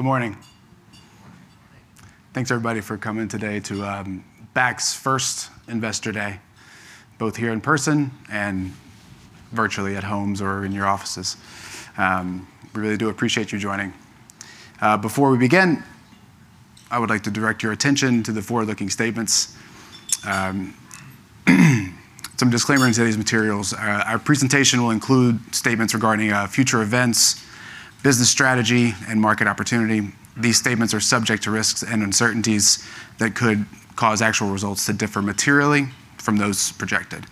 Good morning. Good morning. Thanks everybody for coming today to Bakkt's first Investor Day, both here in person and virtually at homes or in your offices. We really do appreciate you joining. Before we begin, I would like to direct your attention to the forward-looking statements. Some disclaimers in these materials. Our presentation will include statements regarding future events, business strategy, and market opportunity. These statements are subject to risks and uncertainties that could cause actual results to differ materially from those projected.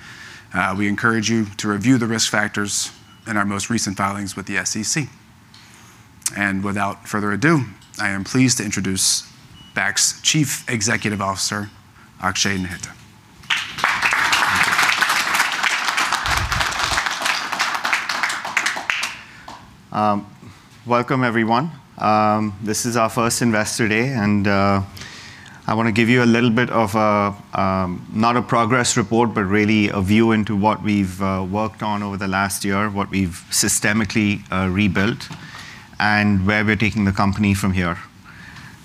We encourage you to review the risk factors in our most recent filings with the SEC. Without further ado, I am pleased to introduce Bakkt's Chief Executive Officer, Akshay Naheta. Welcome everyone. This is our first Investor Day, and I wanna give you a little bit of a, not a progress report, but really a view into what we've worked on over the last year, what we've systematically rebuilt, and where we're taking the company from here.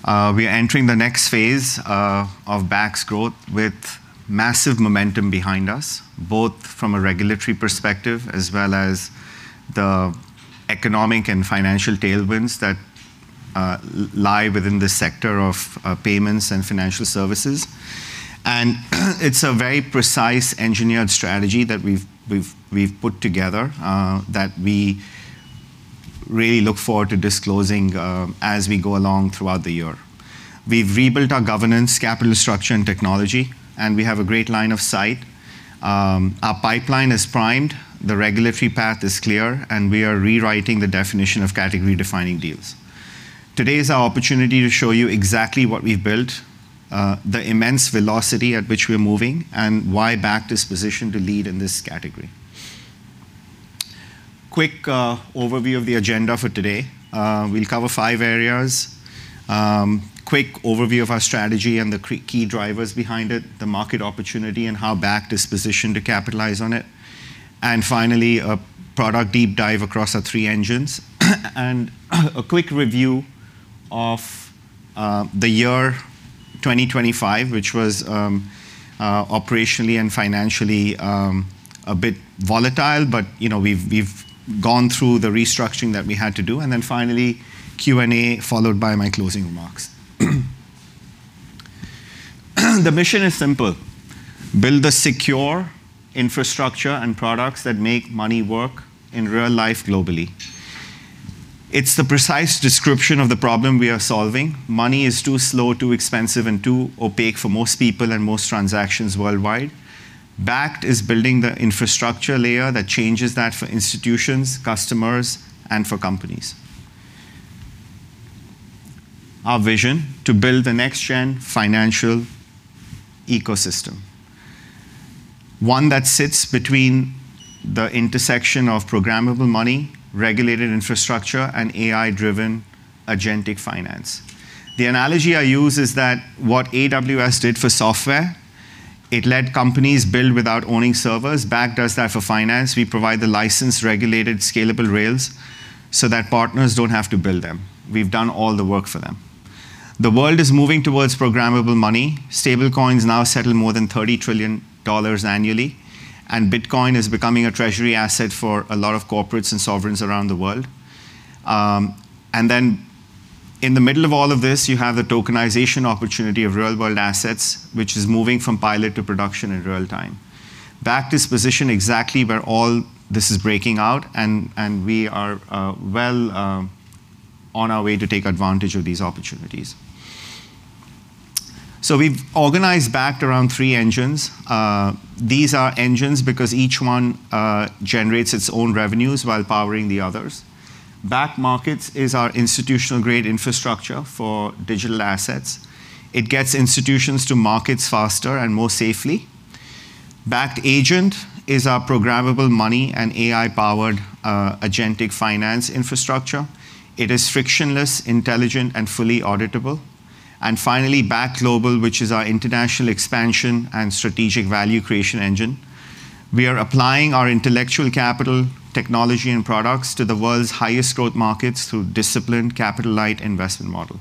We are entering the next phase of Bakkt's growth with massive momentum behind us, both from a regulatory perspective as well as the economic and financial tailwinds that lie within the sector of payments and financial services. It's a very precisely engineered strategy that we've put together that we really look forward to disclosing as we go along throughout the year. We've rebuilt our governance, capital structure and technology, and we have a great line of sight. Our pipeline is primed, the regulatory path is clear, and we are rewriting the definition of category-defining deals. Today is our opportunity to show you exactly what we've built, the immense velocity at which we are moving, and why Bakkt is positioned to lead in this category. Quick overview of the agenda for today. We'll cover five areas. Quick overview of our strategy and the key drivers behind it, the market opportunity, and how Bakkt is positioned to capitalize on it. Finally, a product deep dive across our three engines. A quick review of the year 2025, which was operationally and financially a bit volatile, but you know, we've gone through the restructuring that we had to do. Then finally, Q&A followed by my closing remarks. The mission is simple: build a secure infrastructure and products that make money work in real life globally. It's the precise description of the problem we are solving. Money is too slow, too expensive, and too opaque for most people and most transactions worldwide. Bakkt is building the infrastructure layer that changes that for institutions, customers, and for companies. Our vision, to build the next-gen financial ecosystem. One that sits between the intersection of programmable money, regulated infrastructure, and AI-driven agentic finance. The analogy I use is that what AWS did for software, it let companies build without owning servers. Bakkt does that for finance. We provide the licensed, regulated, scalable rails so that partners don't have to build them. We've done all the work for them. The world is moving towards programmable money. Stablecoins now settle more than $30 trillion annually, and Bitcoin is becoming a treasury asset for a lot of corporates and sovereigns around the world. In the middle of all of this, you have the tokenization opportunity of real-world assets, which is moving from pilot to production in real time. Bakkt is positioned exactly where all this is breaking out and we are on our way to take advantage of these opportunities. We've organized Bakkt around three engines. These are engines because each one generates its own revenues while powering the others. Bakkt Markets is our institutional-grade infrastructure for digital assets. It gets institutions to markets faster and more safely. Bakkt Agent is our programmable money and AI-powered agentic finance infrastructure. It is frictionless, intelligent, and fully auditable. Finally, Bakkt Global, which is our international expansion and strategic value creation engine. We are applying our intellectual capital, technology and products to the world's highest growth markets through disciplined capital-light investment model.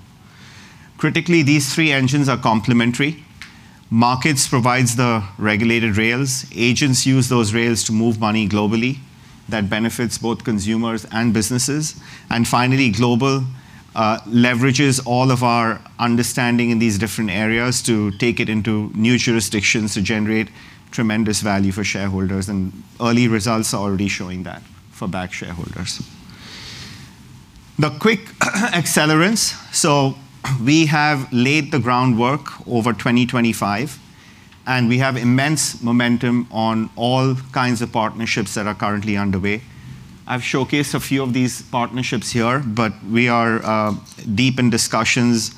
Critically, these three engines are complementary. Bakkt Markets provides the regulated rails. Bakkt Agent uses those rails to move money globally that benefits both consumers and businesses. Finally, Bakkt Global leverages all of our understanding in these different areas to take it into new jurisdictions to generate tremendous value for shareholders, and early results are already showing that for Bakkt shareholders. The quick accelerants. We have laid the groundwork over 2025, and we have immense momentum on all kinds of partnerships that are currently underway. I've showcased a few of these partnerships here, but we are deep in discussions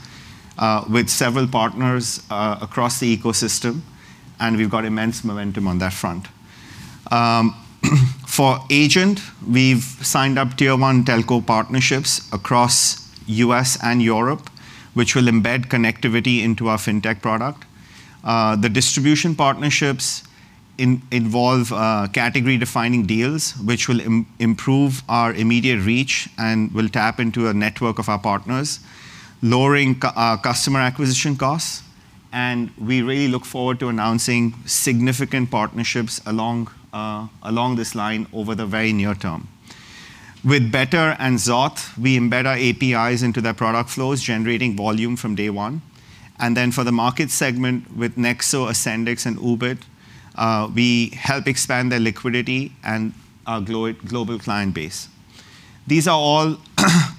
with several partners across the ecosystem, and we've got immense momentum on that front. For Agent, we've signed up tier one telco partnerships across U.S. and Europe, which will embed connectivity into our fintech product. The distribution partnerships involve category defining deals which will improve our immediate reach and will tap into a network of our partners, lowering our customer acquisition costs, and we really look forward to announcing significant partnerships along this line over the very near term. With Betterment and Zoth, we embed our APIs into their product flows, generating volume from day one. For the market segment with Nexo, AscendEX, and Ubit, we help expand their liquidity and global client base. These are all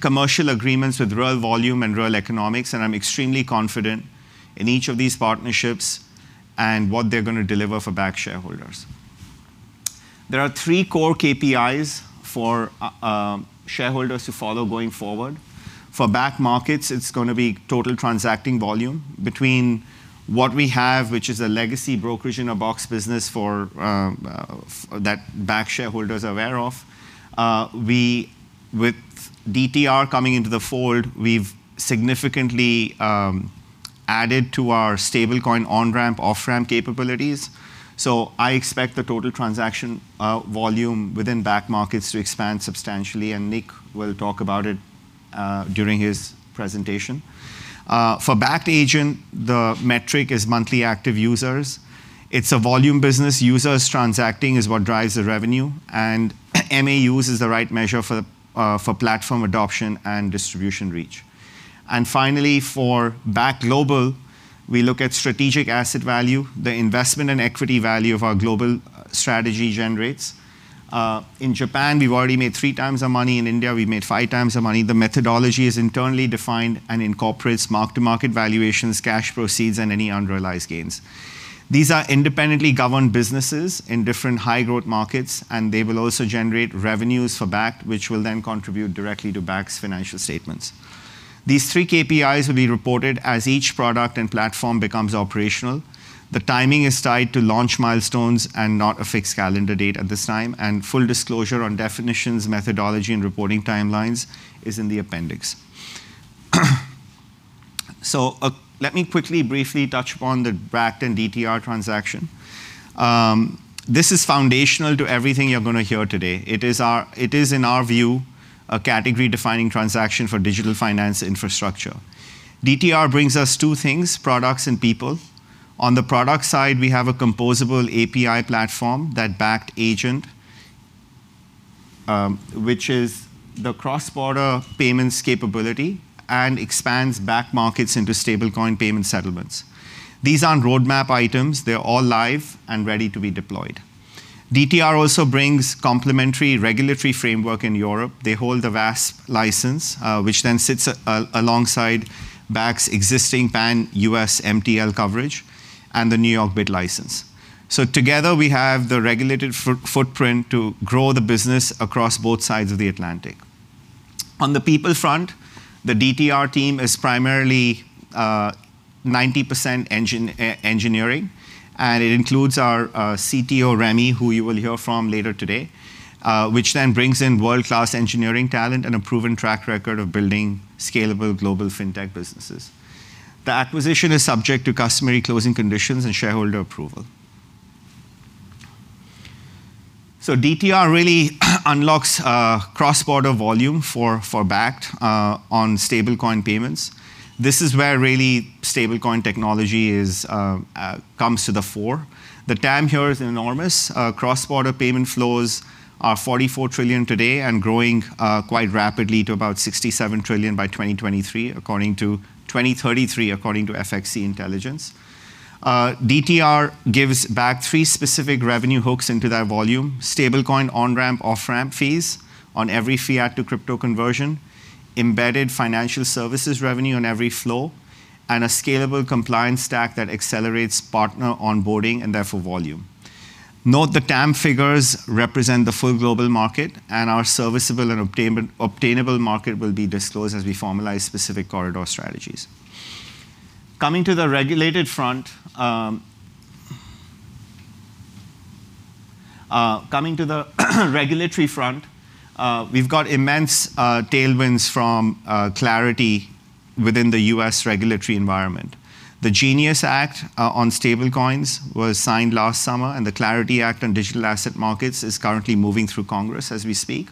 commercial agreements with real volume and real economics, and I'm extremely confident in each of these partnerships and what they're gonna deliver for Bakkt shareholders. There are three core KPIs for shareholders to follow going forward. For Bakkt Markets, it's gonna be total transacting volume between what we have, which is a legacy brokerage-in-a-box business for that Bakkt shareholders are aware of. With DTR coming into the fold, we've significantly added to our stablecoin on-ramp/off-ramp capabilities. I expect the total transaction volume within Bakkt Markets to expand substantially, and Nick will talk about it during his presentation. For Bakkt Agent, the metric is monthly active users. It's a volume business. Users transacting is what drives the revenue, and MAUs is the right measure for the platform adoption and distribution reach. Finally, for Bakkt Global, we look at strategic asset value, the investment and equity value of our global strategy generates. In Japan, we've already made three times our money. In India, we've made five times our money. The methodology is internally defined and incorporates mark-to-market valuations, cash proceeds, and any unrealized gains. These are independently governed businesses in different high-growth markets, and they will also generate revenues for Bakkt, which will then contribute directly to Bakkt's financial statements. These three KPIs will be reported as each product and platform becomes operational. The timing is tied to launch milestones and not a fixed calendar date at this time, and full disclosure on definitions, methodology, and reporting timelines is in the appendix. Let me quickly briefly touch upon the Bakkt and DTR transaction. This is foundational to everything you're gonna hear today. It is, in our view, a category-defining transaction for digital finance infrastructure. DTR brings us two things, products and people. On the product side, we have a composable API platform that Bakkt Agent, which is the cross-border payments capability and expands Bakkt Markets into stablecoin payment settlements. These aren't roadmap items. They're all live and ready to be deployed. DTR also brings complementary regulatory framework in Europe. They hold the VASP license, which then sits alongside Bakkt's existing pan-US MTL coverage and the New York BitLicense. Together, we have the regulated footprint to grow the business across both sides of the Atlantic. On the people front, the DTR team is primarily 90% engineering, and it includes our CTO, Remi, who you will hear from later today, which then brings in world-class engineering talent and a proven track record of building scalable global fintech businesses. The acquisition is subject to customary closing conditions and shareholder approval. DTR really unlocks cross-border volume for Bakkt on stablecoin payments. This is where really stablecoin technology comes to the fore. The TAM here is enormous. Cross-border payment flows are $44 trillion today and growing quite rapidly to about $67 trillion by 2033 according to FXC Intelligence. DTR gives Bakkt three specific revenue hooks into that volume, stablecoin on-ramp/off-ramp fees on every fiat-to-crypto conversion, embedded financial services revenue on every flow, and a scalable compliance stack that accelerates partner onboarding and therefore volume. Note the TAM figures represent the full global market, and our serviceable and obtainable market will be disclosed as we formalize specific corridor strategies. Coming to the regulatory front, we've got immense tailwinds from clarity within the U.S. regulatory environment. The Guiding and Establishing National Innovation for U.S. Stablecoins Act on stablecoins was signed last summer, and the FIT21 Act on digital asset markets is currently moving through Congress as we speak.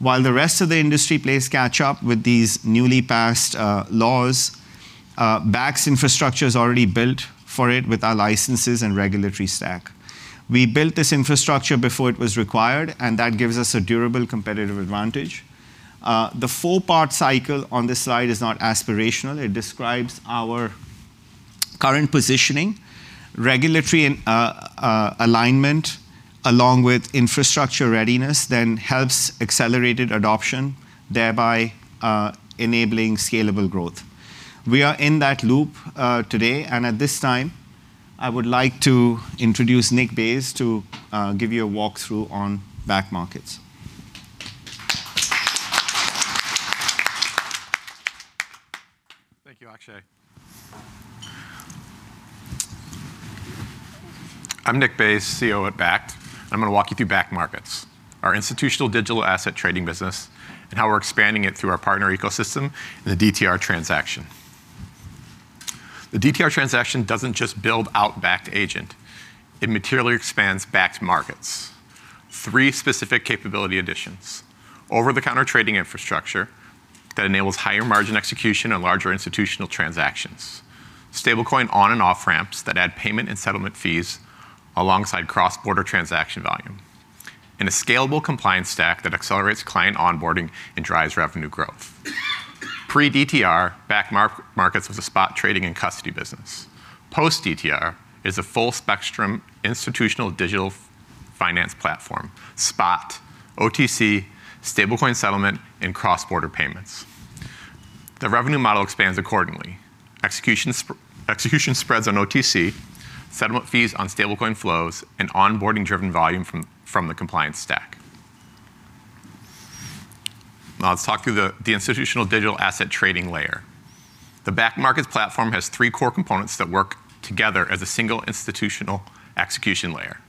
While the rest of the industry plays catch-up with these newly passed laws, Bakkt's infrastructure is already built for it with our licenses and regulatory stack. We built this infrastructure before it was required, and that gives us a durable competitive advantage. The four-part cycle on this slide is not aspirational. It describes our current positioning. Regulatory and alignment along with infrastructure readiness then helps accelerated adoption, thereby enabling scalable growth. We are in that loop today, and at this time, I would like to introduce Nick Baes to give you a walkthrough on Bakkt Markets. Thank you, Akshay. I'm Nick Baes, COO at Bakkt. I'm gonna walk you through Bakkt Markets, our institutional digital asset trading business, and how we're expanding it through our partner ecosystem and the DTR transaction. The DTR transaction doesn't just build out Bakkt Agent, it materially expands Bakkt Markets. Three specific capability additions. Over-the-counter trading infrastructure that enables higher margin execution and larger institutional transactions. Stablecoin on and off-ramps that add payment and settlement fees alongside cross-border transaction volume. A scalable compliance stack that accelerates client onboarding and drives revenue growth. Pre-DTR, Bakkt Markets was a spot trading and custody business. Post-DTR is a full spectrum institutional digital finance platform, spot, OTC, stablecoin settlement, and cross-border payments. The revenue model expands accordingly. Execution spreads on OTC, settlement fees on stablecoin flows, and onboarding-driven volume from the compliance stack. Now let's talk through the institutional digital asset trading layer. The Bakkt Markets platform has three core components that work together as a single institutional execution layer.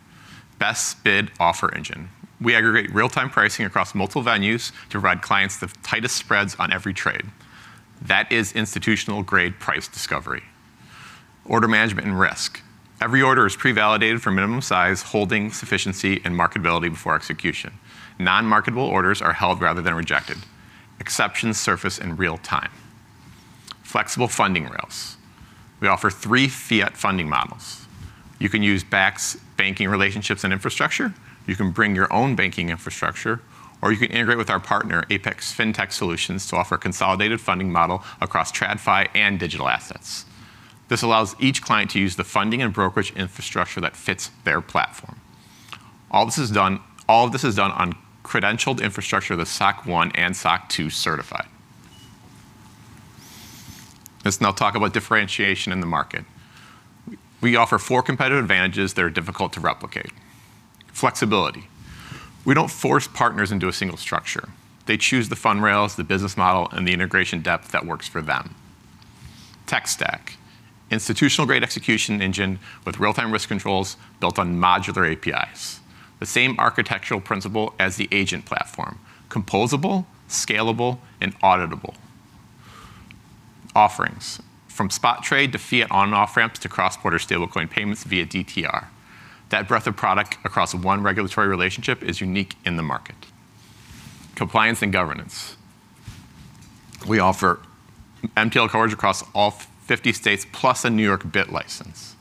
Best bid offer engine. We aggregate real-time pricing across multiple venues to provide clients the tightest spreads on every trade. That is institutional-grade price discovery. Order management and risk. Every order is pre-validated for minimum size, holding sufficiency, and marketability before execution. Non-marketable orders are held rather than rejected. Exceptions surface in real time. Flexible funding rails. We offer three fiat funding models. You can use Bakkt's banking relationships and infrastructure, you can bring your own banking infrastructure, or you can integrate with our partner, Apex Fintech Solutions, to offer a consolidated funding model across TradFi and digital assets. This allows each client to use the funding and brokerage infrastructure that fits their platform. All of this is done on credentialed infrastructure that's SOC 1 and SOC 2 certified. Let's now talk about differentiation in the market. We offer four competitive advantages that are difficult to replicate. Flexibility. We don't force partners into a single structure. They choose the fund rails, the business model, and the integration depth that works for them. Tech stack. Institutional-grade execution engine with real-time risk controls built on modular APIs. The same architectural principle as the Agent platform, composable, scalable, and auditable. Offerings, from spot trade to fiat on and off-ramps, to cross-border stablecoin payments via DTR. That breadth of product across one regulatory relationship is unique in the market. Compliance and governance. We offer MTL coverage across all fifty states, plus a New York BitLicense.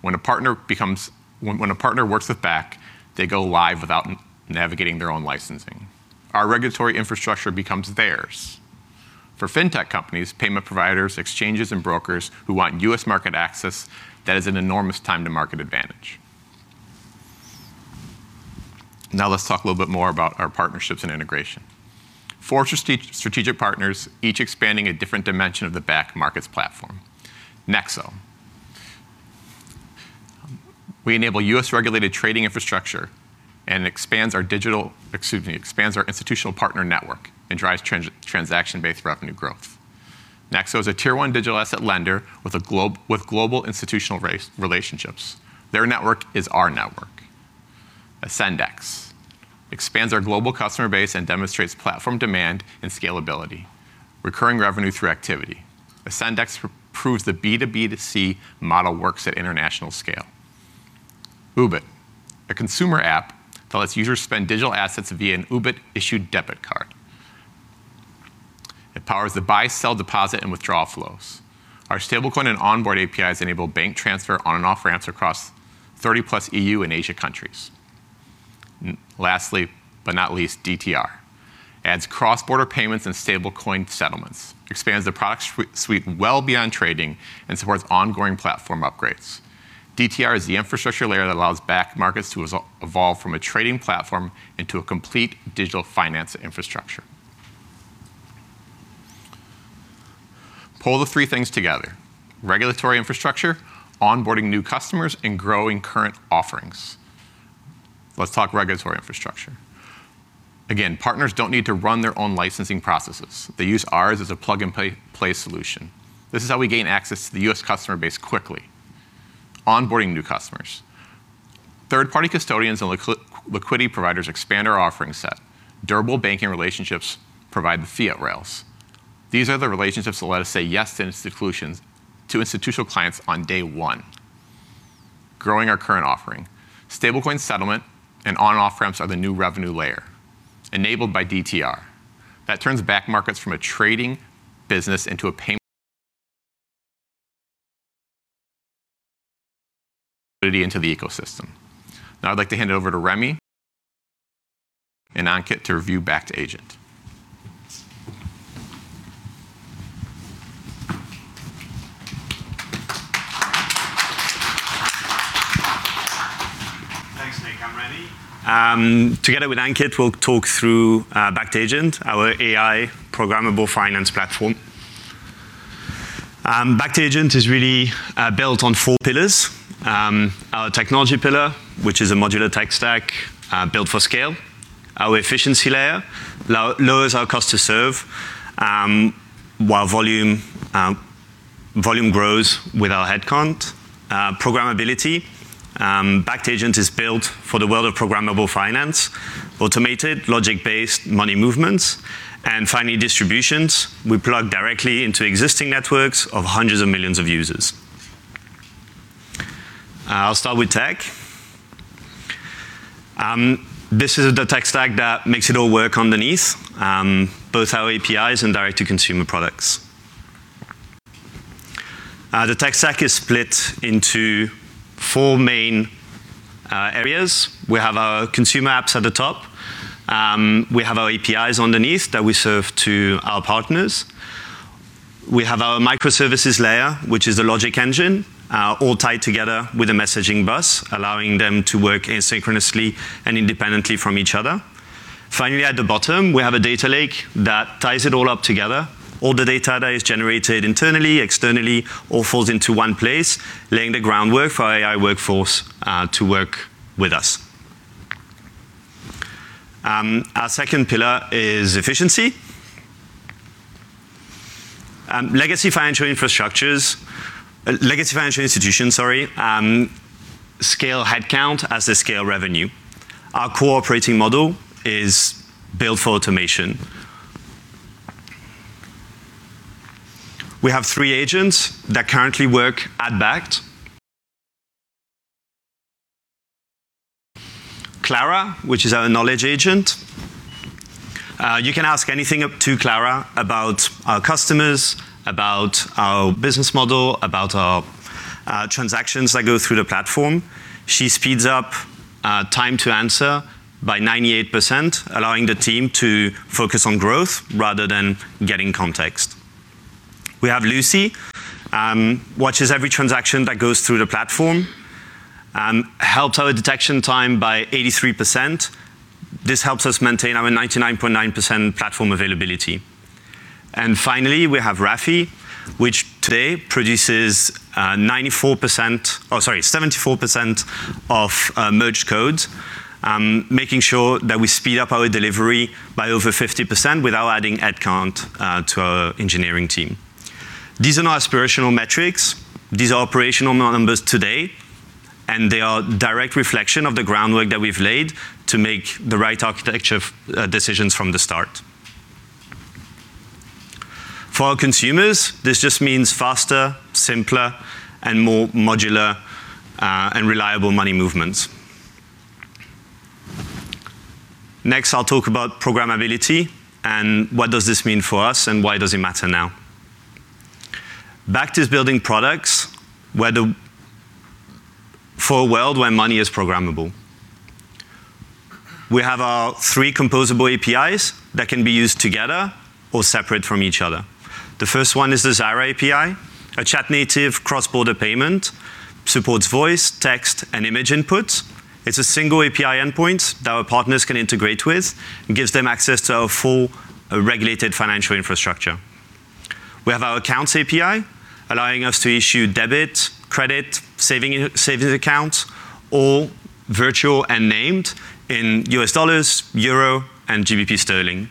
When a partner works with Bakkt, they go live without navigating their own licensing. Our regulatory infrastructure becomes theirs. For fintech companies, payment providers, exchanges, and brokers who want U.S. market access, that is an enormous time to market advantage. Now let's talk a little bit more about our partnerships and integration. Four strategic partners, each expanding a different dimension of the Bakkt Markets platform. Nexo. We enable U.S.-regulated trading infrastructure and expands our institutional partner network and drives transaction-based revenue growth. Nexo is a tier-one digital asset lender with global institutional relationships. Their network is our network. AscendEX expands our global customer base and demonstrates platform demand and scalability, recurring revenue through activity. AscendEX proves the B2B2C model works at international scale. Ubit, a consumer app that lets users spend digital assets via an Ubit-issued debit card. It powers the buy, sell, deposit, and withdrawal flows. Our stablecoin and onboard APIs enable bank transfer on and off-ramps across 30+ E.U. and Asia countries. Lastly, but not least, DTR adds cross-border payments and stablecoin settlements, expands the product suite well beyond trading, and supports ongoing platform upgrades. DTR is the infrastructure layer that allows Bakkt Markets to evolve from a trading platform into a complete digital finance infrastructure. Pull the three things together, regulatory infrastructure, onboarding new customers, and growing current offerings. Let's talk regulatory infrastructure. Again, partners don't need to run their own licensing processes. They use ours as a plug-and-play solution. This is how we gain access to the U.S. customer base quickly. Onboarding new customers. Third-party custodians and liquidity providers expand our offering set. Durable banking relationships provide the fiat rails. These are the relationships that let us say yes to institutional clients on day one. Growing our current offering. Stablecoin settlement and on and off-ramps are the new revenue layer enabled by DTR. That turns Bakkt Markets from a trading business into the ecosystem. Now I'd like to hand it over to Remi and Ankit to review Bakkt Agent. Thanks, Nick. I'm Remi. Together with Ankit, we'll talk through Bakkt Agent, our AI programmable finance platform. Bakkt Agent is really built on four pillars. Our technology pillar, which is a modular tech stack built for scale. Our efficiency layer lowers our cost to serve while volume grows with our headcount. Programmability. Bakkt Agent is built for the world of programmable finance, automated logic-based money movements, and finally distributions. We plug directly into existing networks of hundreds of millions of users. I'll start with tech. This is the tech stack that makes it all work underneath both our APIs and direct-to-consumer products. The tech stack is split into four main areas. We have our consumer apps at the top. We have our APIs underneath that we serve to our partners. We have our microservices layer, which is the logic engine, all tied together with a messaging bus, allowing them to work asynchronously and independently from each other. Finally, at the bottom, we have a data lake that ties it all up together. All the data that is generated internally, externally, all falls into one place, laying the groundwork for AI workforce to work with us. Our second pillar is efficiency. Legacy financial institutions scale headcount as they scale revenue. Our core operating model is built for automation. We have three agents that currently work at Bakkt. Clara, which is our knowledge agent. You can ask anything up to Clara about our customers, about our business model, about our transactions that go through the platform. She speeds up time to answer by 98%, allowing the team to focus on growth rather than getting context. We have Lucy, watches every transaction that goes through the platform, helps our detection time by 83%. This helps us maintain our 99.9% platform availability. Finally, we have Rafi, which today produces 74% of merged code, making sure that we speed up our delivery by over 50% without adding headcount to our engineering team. These are not aspirational metrics. These are operational numbers today, and they are a direct reflection of the groundwork that we've laid to make the right architecture decisions from the start. For our consumers, this just means faster, simpler, and more modular and reliable money movements. Next, I'll talk about programmability and what does this mean for us and why does it matter now. Bakkt is building products for a world where money is programmable. We have our three composable APIs that can be used together or separate from each other. The first one is the Zaira API, a chat-native cross-border payment, supports voice, text, and image input. It's a single API endpoint that our partners can integrate with and gives them access to our full regulated financial infrastructure. We have our Accounts API, allowing us to issue debit, credit, savings accounts, all virtual and named in U.S. dollars, euro, and GBP sterling.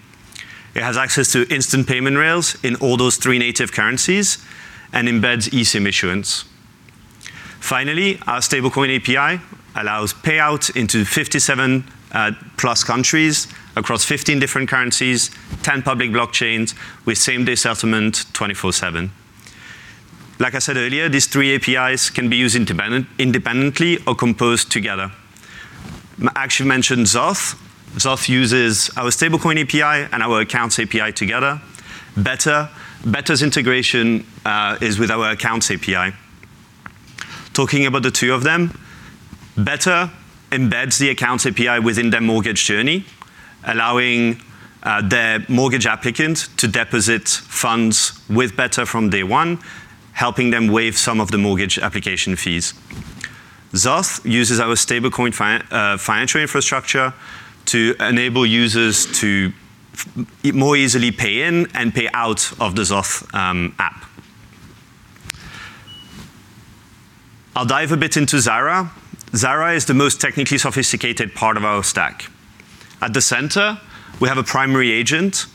It has access to instant payment rails in all those three native currencies and embeds eSIM issuance. Finally, our Stablecoin API allows payouts into 57+ countries across 15 different currencies, 10 public blockchains with same-day settlement, 24/7. Like I said earlier, these three APIs can be used independently or composed together. I actually mentioned Zoth. Zoth uses our Stablecoin API and our Accounts API together. Betterment. Betterment's integration is with our Accounts API. Talking about the two of them, Betterment embeds the Accounts API within their mortgage journey, allowing their mortgage applicant to deposit funds with Betterment from day one, helping them waive some of the mortgage application fees. Zoth uses our Stablecoin financial infrastructure to enable users to more easily pay in and pay out of the Zoth app. I'll dive a bit into Zaira. Zaira is the most technically sophisticated part of our stack. At the center, we have a primary agent.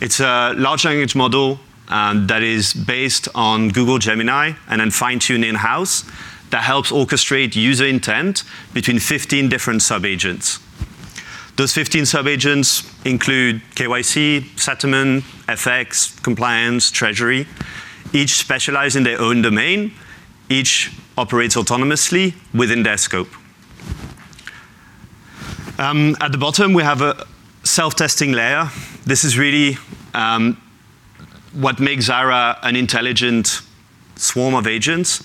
It's a large language model that is based on Google Gemini and then fine-tuned in-house that helps orchestrate user intent between 15 different sub-agents. Those 15 sub-agents include KYC, settlement, FX, compliance, treasury, each specialize in their own domain. Each operates autonomously within their scope. At the bottom, we have a self-testing layer. This is really what makes Zaira an intelligent swarm of agents.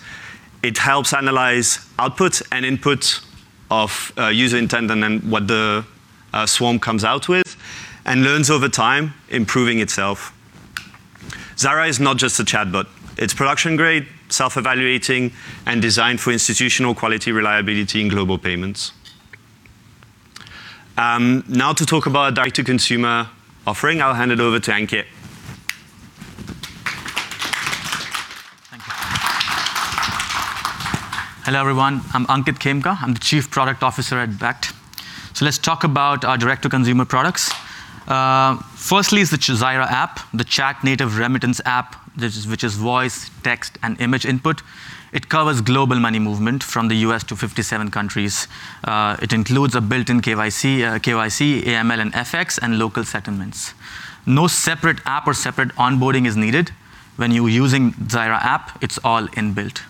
It helps analyze output and input of user intent, and then what the swarm comes out with and learns over time, improving itself. Zaira is not just a chatbot. It's production-grade, self-evaluating, and designed for institutional quality, reliability, and global payments. Now to talk about our direct-to-consumer offering, I'll hand it over to Ankit. Thank you. Hello, everyone. I'm Ankit Khemka. I'm the Chief Product Officer at Bakkt. Let's talk about our direct-to-consumer products. Firstly is the Zaira app, the chat-native remittance app, which is voice, text, and image input. It covers global money movement from the U.S. to 57 countries. It includes a built-in KYC, AML and FX and local settlements. No separate app or separate onboarding is needed when you're using Zaira app. It's all inbuilt.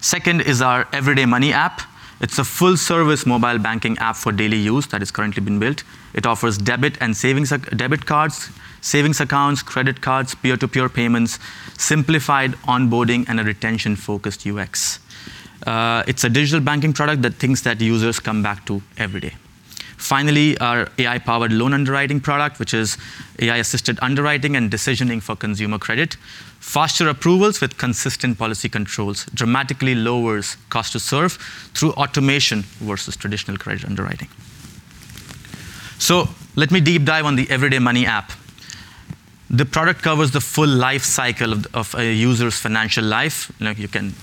Second is our Everyday Money app. It's a full-service mobile banking app for daily use that is currently being built. It offers debit cards, savings accounts, credit cards, peer-to-peer payments, simplified onboarding, and a retention-focused UX. It's a digital banking product that users come back to every day. Finally, our AI-powered loan underwriting product, which is AI-assisted underwriting and decisioning for consumer credit. Faster approvals with consistent policy controls. Dramatically lowers cost to serve through automation versus traditional credit underwriting. Let me deep dive on the Everyday Money app. The product covers the full life cycle of a user's financial life. You know, you can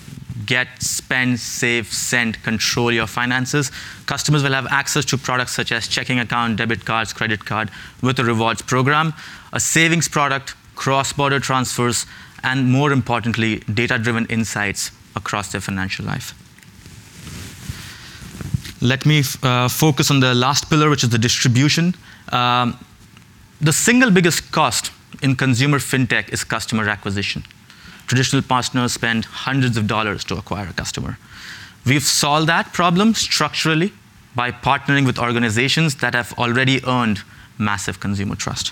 get, spend, save, send, control your finances. Customers will have access to products such as checking account, debit cards, credit card with a rewards program, a savings product, cross-border transfers, and more importantly, data-driven insights across their financial life. Let me focus on the last pillar, which is the distribution. The single biggest cost in consumer fintech is customer acquisition. Traditional partners spend hundreds of dollars to acquire a customer. We've solved that problem structurally by partnering with organizations that have already earned massive consumer trust.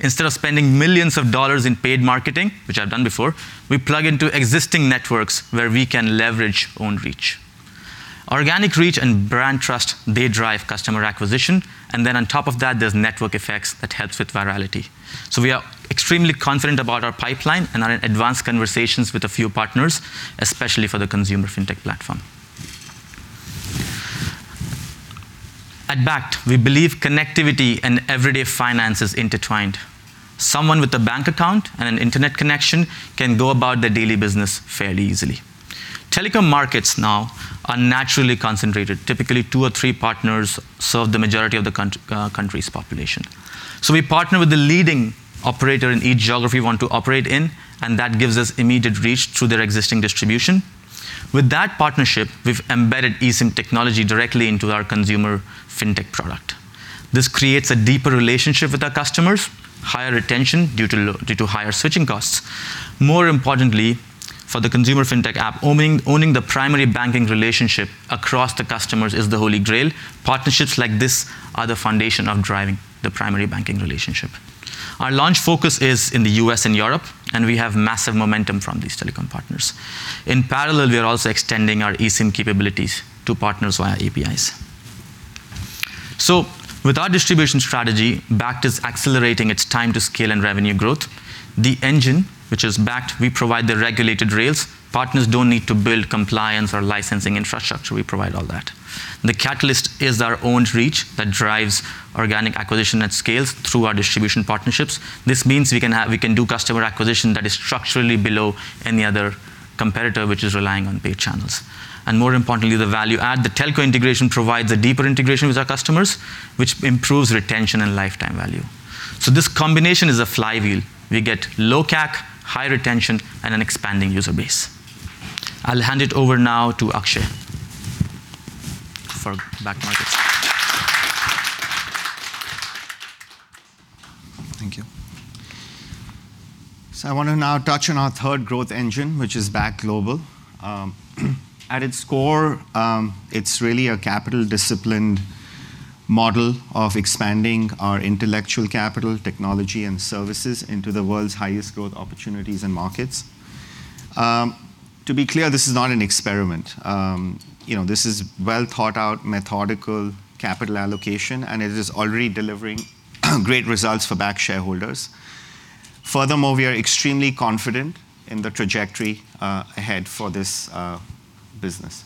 Instead of spending millions of dollars in paid marketing, which I've done before, we plug into existing networks where we can leverage own reach. Organic reach and brand trust, they drive customer acquisition, and then on top of that, there's network effects that helps with virality. We are extremely confident about our pipeline and are in advanced conversations with a few partners, especially for the consumer fintech platform. At Bakkt, we believe connectivity and everyday finance is intertwined. Someone with a bank account and an internet connection can go about their daily business fairly easily. Telecom markets now are naturally concentrated. Typically, two or three partners serve the majority of the countries' population. We partner with the leading operator in each geography we want to operate in, and that gives us immediate reach through their existing distribution. With that partnership, we've embedded eSIM technology directly into our consumer fintech product. This creates a deeper relationship with our customers, higher retention due to higher switching costs. More importantly, for the consumer fintech app, owning the primary banking relationship across the customers is the holy grail. Partnerships like this are the foundation of driving the primary banking relationship. Our launch focus is in the U.S. and Europe, and we have massive momentum from these telecom partners. In parallel, we are also extending our eSIM capabilities to partners via APIs. With our distribution strategy, Bakkt is accelerating its time to scale and revenue growth. The engine, which is Bakkt, we provide the regulated rails. Partners don't need to build compliance or licensing infrastructure. We provide all that. The catalyst is our owned reach that drives organic acquisition at scale through our distribution partnerships. This means we can do customer acquisition that is structurally below any other competitor, which is relying on paid channels. More importantly, the value add. The telco integration provides a deeper integration with our customers, which improves retention and lifetime value. This combination is a flywheel. We get low CAC, high retention, and an expanding user base. I'll hand it over now to Akshay for Bakkt Markets. Thank you. I want to now touch on our third growth engine, which is Bakkt Global. At its core, it's really a capital disciplined model of expanding our intellectual capital, technology and services into the world's highest growth opportunities and markets. To be clear, this is not an experiment. You know, this is well thought out, methodical capital allocation, and it is already delivering great results for Bakkt shareholders. Furthermore, we are extremely confident in the trajectory ahead for this business.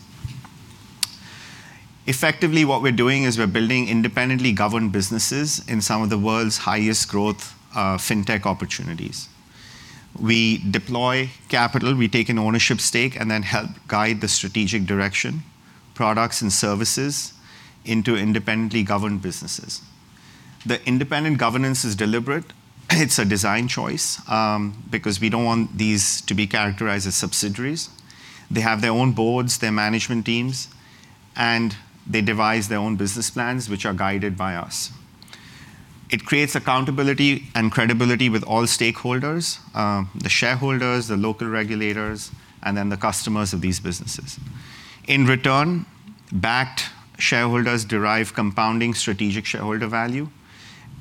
Effectively, what we're doing is we're building independently governed businesses in some of the world's highest growth fintech opportunities. We deploy capital, we take an ownership stake, and then help guide the strategic direction, products and services into independently governed businesses. The independent governance is deliberate. It's a design choice, because we don't want these to be characterized as subsidiaries. They have their own boards, their management teams, and they devise their own business plans, which are guided by us. It creates accountability and credibility with all stakeholders, the shareholders, the local regulators, and then the customers of these businesses. In return, Bakkt shareholders derive compounding strategic shareholder value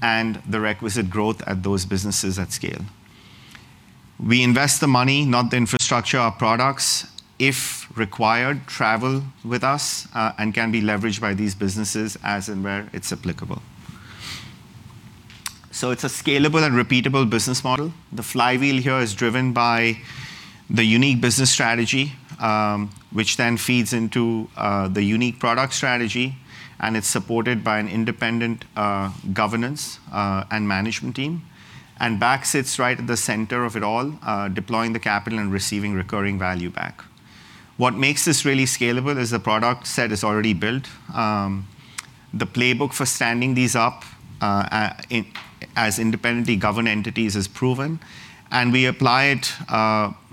and the requisite growth at those businesses at scale. We invest the money, not the infrastructure. Our products, if required, travel with us, and can be leveraged by these businesses as and where it's applicable. So it's a scalable and repeatable business model. The flywheel here is driven by the unique business strategy, which then feeds into the unique product strategy, and it's supported by an independent governance and management team. Bakkt sits right at the center of it all, deploying the capital and receiving recurring value back. What makes this really scalable is the product set is already built. The playbook for standing these up in as independently governed entities is proven, and we apply it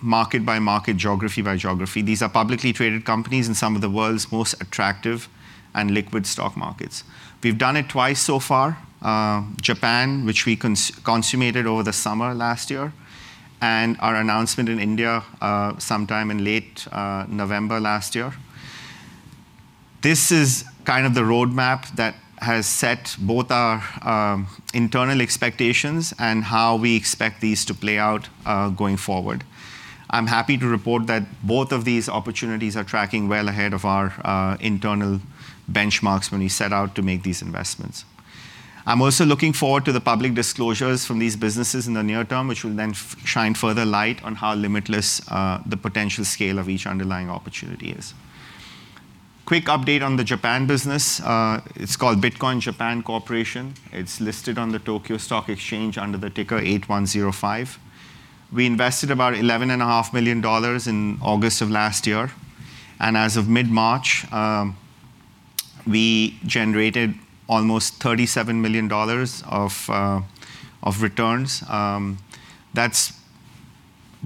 market by market, geography by geography. These are publicly traded companies in some of the world's most attractive and liquid stock markets. We've done it twice so far, Japan, which we consummated over the summer last year, and our announcement in India sometime in late November last year. This is kind of the roadmap that has set both our internal expectations and how we expect these to play out going forward. I'm happy to report that both of these opportunities are tracking well ahead of our internal benchmarks when we set out to make these investments. I'm also looking forward to the public disclosures from these businesses in the near term, which will then shine further light on how limitless the potential scale of each underlying opportunity is. Quick update on the Japan business. It's called Bitcoin Japan Corporation. It's listed on the Tokyo Stock Exchange under the ticker 8105. We invested about $11.5 million in August of last year, and as of mid-March, we generated almost $37 million of returns. That's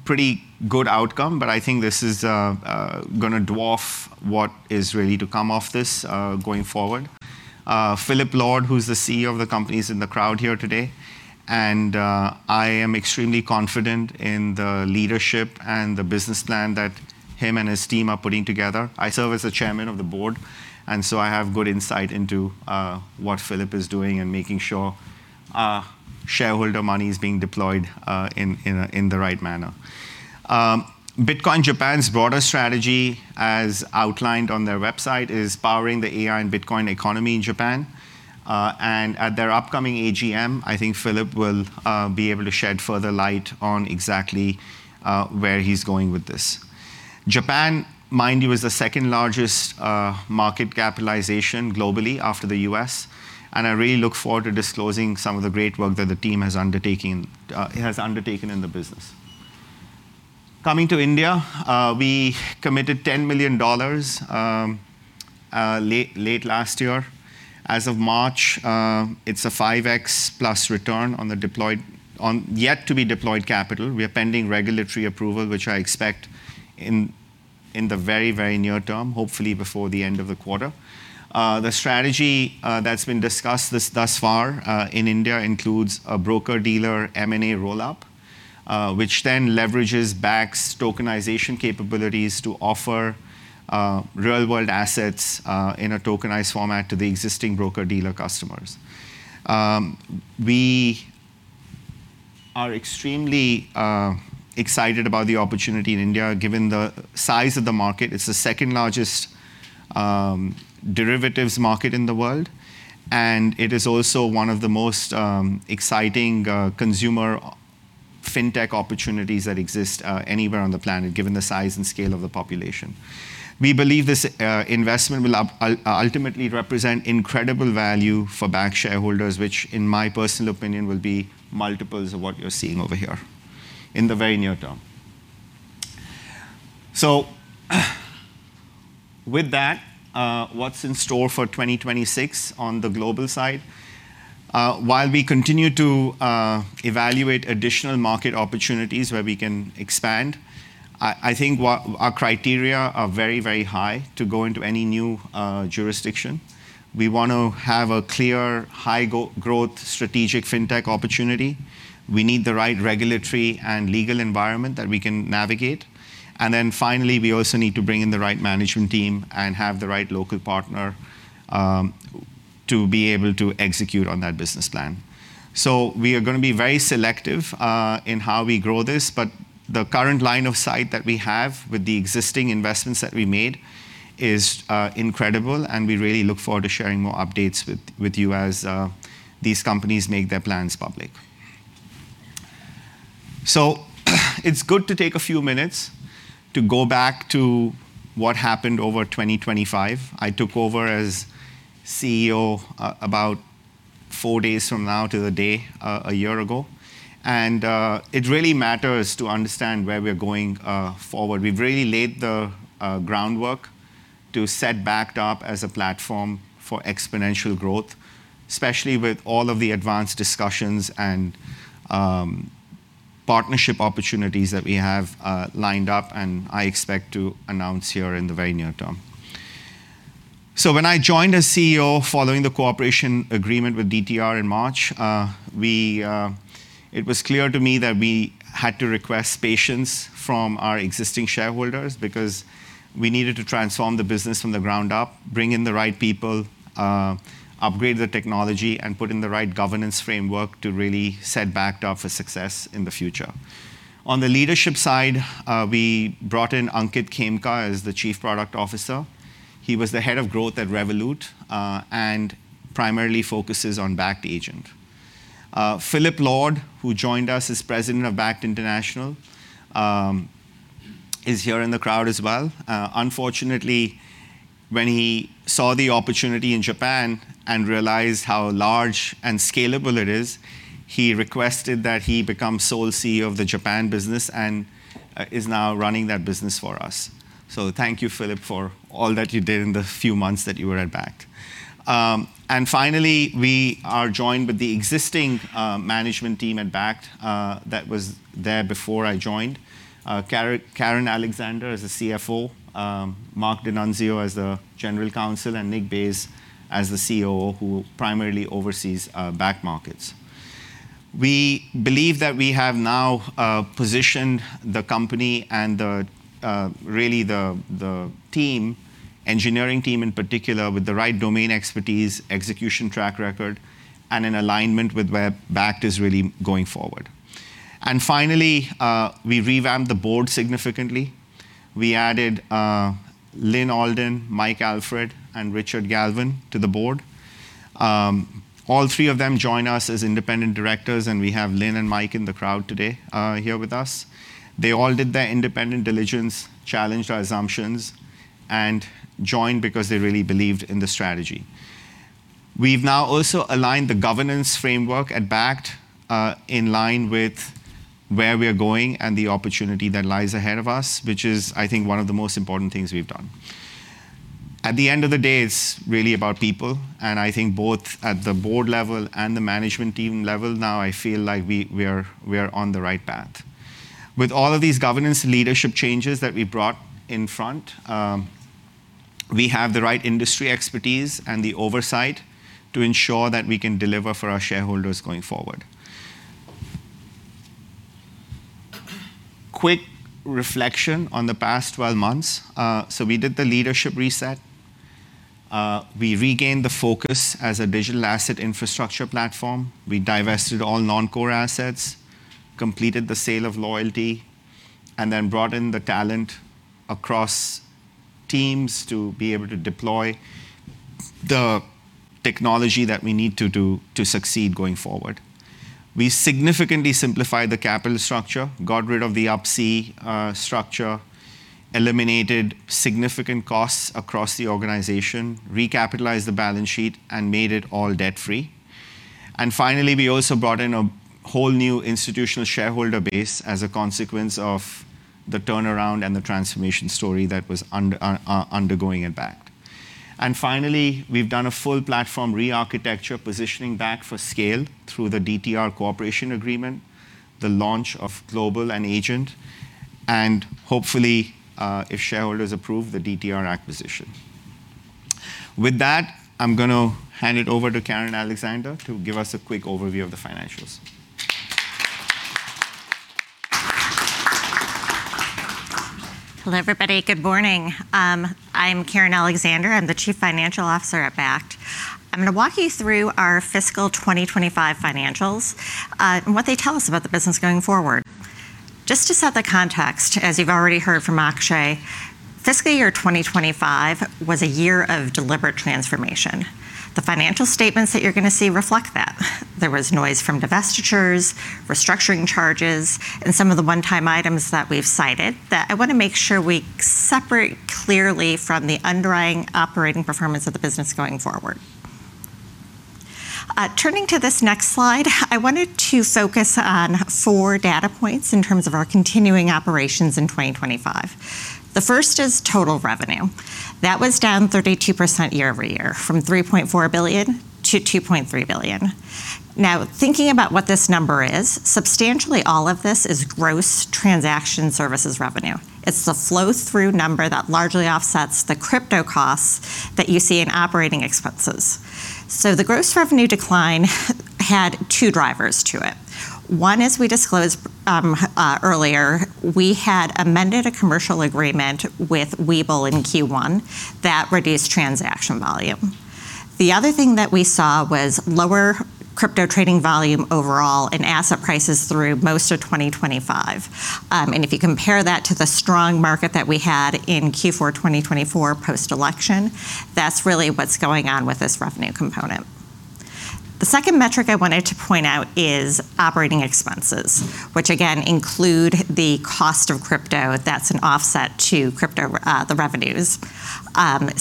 pretty good outcome, but I think this is gonna dwarf what is really to come of this going forward. Philip Lord, who's the CEO of the company, is in the crowd here today, and I am extremely confident in the leadership and the business plan that him and his team are putting together. I serve as the chairman of the board, and so I have good insight into what Philip is doing and making sure shareholder money is being deployed in the right manner. Bitcoin Japan's broader strategy, as outlined on their website, is powering the AI and Bitcoin economy in Japan. At their upcoming AGM, I think Philip will be able to shed further light on exactly where he's going with this. Japan, mind you, is the second-largest market capitalization globally after the U.S., and I really look forward to disclosing some of the great work that the team has undertaken in the business. Coming to India, we committed $10 million late last year. As of March, it's a 5x plus return on the deployed. On yet to be deployed capital. We are pending regulatory approval, which I expect in the very near term, hopefully before the end of the quarter. The strategy that's been discussed thus far in India includes a broker-dealer M&A roll-up, which then leverages Bakkt's tokenization capabilities to offer real-world assets in a tokenized format to the existing broker-dealer customers. We are extremely excited about the opportunity in India, given the size of the market. It's the second-largest derivatives market in the world, and it is also one of the most exciting consumer fintech opportunities that exist anywhere on the planet, given the size and scale of the population. We believe this investment will ultimately represent incredible value for Bakkt shareholders, which in my personal opinion, will be multiples of what you're seeing over here in the very near term. With that, what's in store for 2026 on the global side? While we continue to evaluate additional market opportunities where we can expand, I think what our criteria are very, very high to go into any new jurisdiction. We want to have a clear, high-growth strategic fintech opportunity. We need the right regulatory and legal environment that we can navigate. Then finally, we also need to bring in the right management team and have the right local partner to be able to execute on that business plan. We are gonna be very selective in how we grow this, but the current line of sight that we have with the existing investments that we made is incredible, and we really look forward to sharing more updates with you as these companies make their plans public. It's good to take a few minutes to go back to what happened over 2025. I took over as CEO about four days from now to the day a year ago. It really matters to understand where we're going forward. We've really laid the groundwork to set Bakkt up as a platform for exponential growth, especially with all of the advanced discussions and partnership opportunities that we have lined up, and I expect to announce here in the very near term. When I joined as CEO following the cooperation agreement with DTR in March, it was clear to me that we had to request patience from our existing shareholders because we needed to transform the business from the ground up, bring in the right people, upgrade the technology, and put in the right governance framework to really set Bakkt up for success in the future. On the leadership side, we brought in Ankit Khemka as the Chief Product Officer. He was the head of growth at Revolut, and primarily focuses on Bakkt Agent. Philip Lord, who joined us as president of Bakkt International, is here in the crowd as well. Unfortunately, when he saw the opportunity in Japan and realized how large and scalable it is, he requested that he become sole CEO of the Japan business and is now running that business for us. Thank you, Philip, for all that you did in the few months that you were at Bakkt. Finally, we are joined by the existing management team at Bakkt that was there before I joined. Karen Alexander as the CFO, Marc D'Annunzio as the General Counsel, and Nicholas Baes as the COO who primarily oversees Bakkt Markets. We believe that we have now positioned the company and really the engineering team in particular with the right domain expertise, execution track record, and in alignment with where Bakkt is really going forward. Finally, we revamped the board significantly. We added Lyn Alden, Mike Alfred, and Richard Galvin to the board. All three of them join us as independent directors, and we have Lyn and Mike in the crowd today here with us. They all did their independent diligence, challenged our assumptions, and joined because they really believed in the strategy. We've now also aligned the governance framework at Bakkt in line with where we're going and the opportunity that lies ahead of us, which is, I think, one of the most important things we've done. At the end of the day, it's really about people, and I think both at the board level and the management team level now I feel like we are on the right path. With all of these governance leadership changes that we brought in front, we have the right industry expertise and the oversight to ensure that we can deliver for our shareholders going forward. Quick reflection on the past 12 months. We did the leadership reset. We regained the focus as a digital asset infrastructure platform. We divested all non-core assets, completed the sale of Loyalty, and then brought in the talent across teams to be able to deploy the technology that we need to do to succeed going forward. We significantly simplified the capital structure, got rid of the Up-C structure, eliminated significant costs across the organization, recapitalized the balance sheet, and made it all debt-free. Finally, we also brought in a whole new institutional shareholder base as a consequence of the turnaround and the transformation story that was undergoing at Bakkt. Finally, we've done a full platform rearchitecture positioning Bakkt for scale through the DTR cooperation agreement, the launch of Bakkt Global and Bakkt Agent, and hopefully, if shareholders approve, the DTR acquisition. With that, I'm gonna hand it over to Karen Alexander to give us a quick overview of the financials. Hello, everybody. Good morning. I'm Karen Alexander. I'm the Chief Financial Officer at Bakkt. I'm gonna walk you through our fiscal 2025 financials, and what they tell us about the business going forward. Just to set the context, as you've already heard from Akshay, fiscal year 2025 was a year of deliberate transformation. The financial statements that you're gonna see reflect that. There was noise from divestitures, restructuring charges, and some of the one-time items that we've cited that I wanna make sure we separate clearly from the underlying operating performance of the business going forward. Turning to this next slide, I wanted to focus on four data points in terms of our continuing operations in 2025. The first is total revenue. That was down 32% year-over-year from $3.4 billion-$2.3 billion. Now, thinking about what this number is, substantially all of this is gross transaction services revenue. It's the flow-through number that largely offsets the crypto costs that you see in operating expenses. The gross revenue decline had two drivers to it. One, as we disclosed, earlier, we had amended a commercial agreement with Webull in Q1 that reduced transaction volume. The other thing that we saw was lower crypto trading volume overall and asset prices through most of 2025. If you compare that to the strong market that we had in Q4 2024 post-election, that's really what's going on with this revenue component. The second metric I wanted to point out is operating expenses, which again include the cost of crypto that's an offset to the revenues.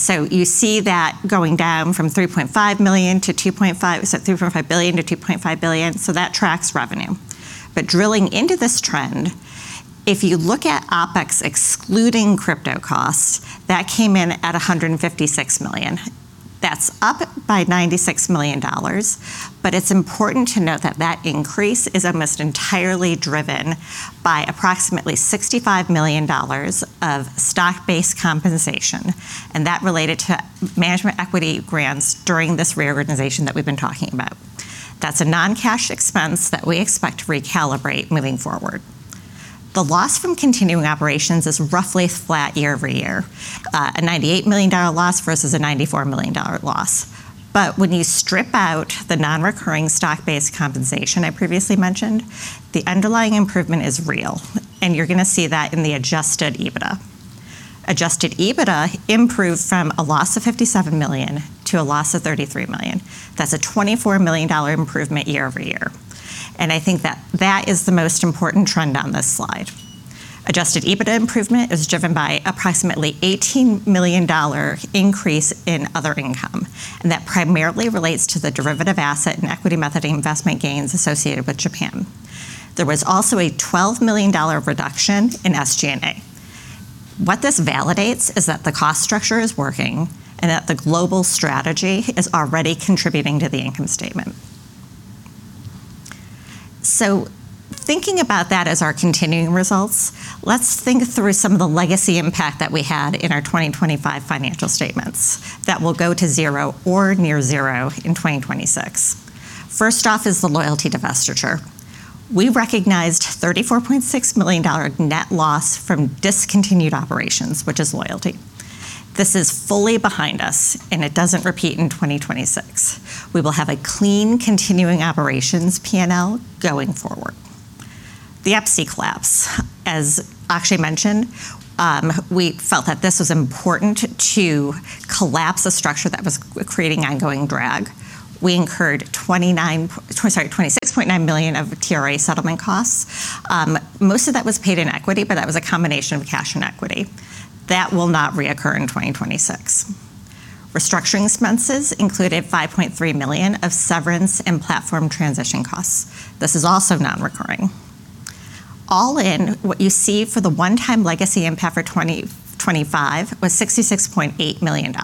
So you see that going down from $3.5 billion-$2.5 billion, so that tracks revenue. Drilling into this trend, if you look at OpEx excluding crypto costs, that came in at $156 million. That's up by $96 million, but it's important to note that that increase is almost entirely driven by approximately $65 million of stock-based compensation, and that related to management equity grants during this reorganization that we've been talking about. That's a non-cash expense that we expect to recalibrate moving forward. The loss from continuing operations is roughly flat year-over-year, a $98 million loss versus a $94 million loss. When you strip out the non-recurring stock-based compensation I previously mentioned, the underlying improvement is real, and you're gonna see that in the Adjusted EBITDA. Adjusted EBITDA improved from a loss of $57 million to a loss of $33 million. That's a $24 million improvement year-over-year. I think that is the most important trend on this slide. Adjusted EBITDA improvement is driven by approximately $18 million increase in other income. That primarily relates to the derivative asset and equity method investment gains associated with Japan. There was also a $12 million reduction in SG&A. What this validates is that the cost structure is working and that the global strategy is already contributing to the income statement. Thinking about that as our continuing results, let's think through some of the legacy impact that we had in our 2025 financial statements that will go to zero or near zero in 2026. First off is the Loyalty divestiture. We recognized $34.6 million net loss from discontinued operations, which is Loyalty. This is fully behind us, and it doesn't repeat in 2026. We will have a clean continuing operations P&L going forward. The Up-C collapse, as Akshay mentioned, we felt that this was important to collapse a structure that was creating ongoing drag. We incurred $26.9 million of TRA settlement costs. Most of that was paid in equity, but that was a combination of cash and equity. That will not reoccur in 2026. Restructuring expenses included $5.3 million of severance and platform transition costs. This is also non-recurring. All in, what you see for the one-time legacy impact for 2025 was $66.8 million.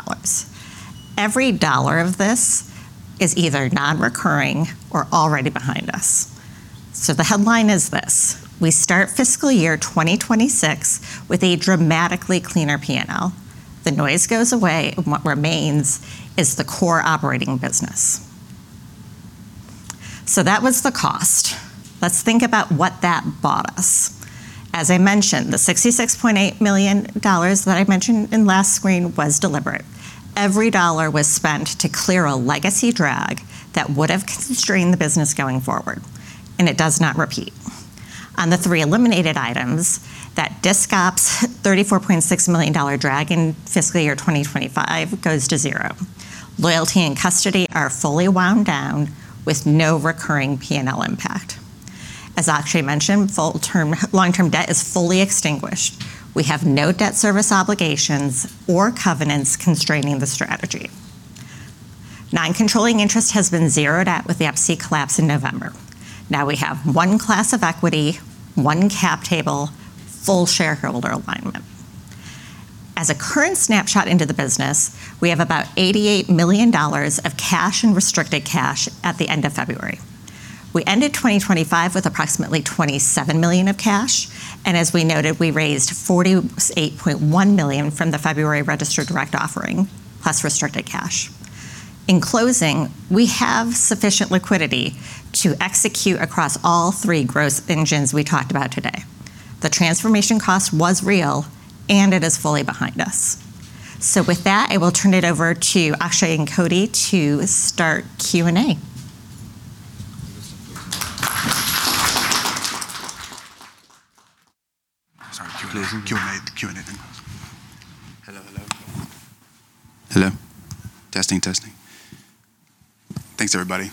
Every dollar of this is either non-recurring or already behind us. The headline is this: We start fiscal year 2026 with a dramatically cleaner P&L. The noise goes away, and what remains is the core operating business. That was the cost. Let's think about what that bought us. As I mentioned, the $66.8 million that I mentioned in last screen was deliberate. Every dollar was spent to clear a legacy drag that would have constrained the business going forward, and it does not repeat. On the three eliminated items, that disc ops $34.6 million dollar drag in fiscal year 2025 goes to zero. Loyalty and custody are fully wound down with no recurring P&L impact. As Akshay mentioned, long-term debt is fully extinguished. We have no debt service obligations or covenants constraining the strategy. Non-controlling interest has been zeroed out with the Up-C collapse in November. Now we have one class of equity, one cap table, full shareholder alignment. As a current snapshot into the business, we have about $88 million of cash and restricted cash at the end of February. We ended 2025 with approximately $27 million of cash, and as we noted, we raised $48.1 million from the February registered direct offering, plus restricted cash. In closing, we have sufficient liquidity to execute across all three growth engines we talked about today. The transformation cost was real, and it is fully behind us. With that, I will turn it over to Akshay and Cody to start Q&A. Sorry. Q&A thing. Hello. Testing. Thanks, everybody.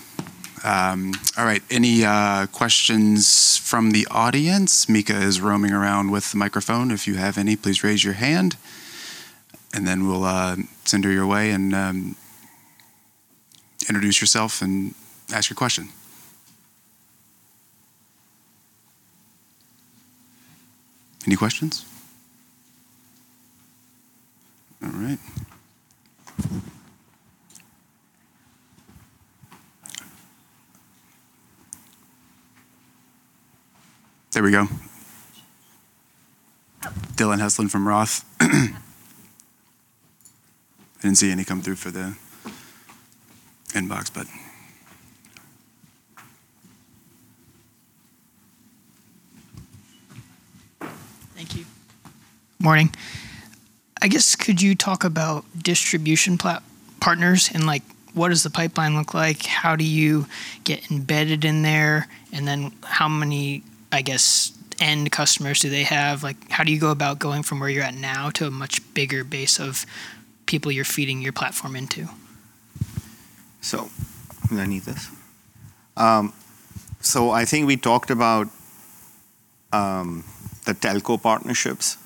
All right. Any questions from the audience? Mika is roaming around with the microphone. If you have any, please raise your hand, and then we'll send her your way, and introduce yourself and ask your question. Any questions? All right. There we go. Dillon Heslin from Roth. I didn't see any come through for the inbox, but. Thank you. Morning. I guess could you talk about distribution partners and, like, what does the pipeline look like? How do you get embedded in there? How many, I guess, end customers do they have? Like, how do you go about going from where you're at now to a much bigger base of people you're feeding your platform into? Do I need this? I think we talked about the telco partnerships,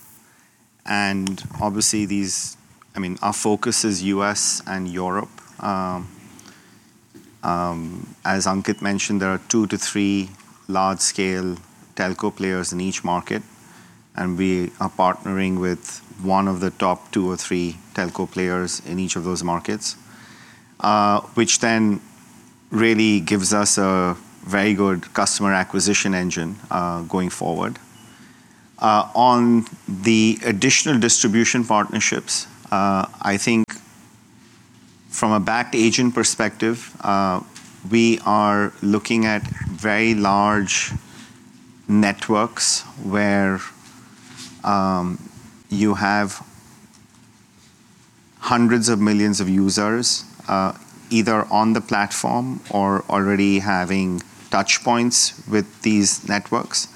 and obviously these—I mean, our focus is U.S. and Europe. As Ankit mentioned, there are two to three large-scale telco players in each market, and we are partnering with one of the top two or three telco players in each of those markets, which then really gives us a very good customer acquisition engine going forward. On the additional distribution partnerships, I think from a Bakkt Agent perspective, we are looking at very large networks where you have hundreds of millions of users, either on the platform or already having touch points with these networks.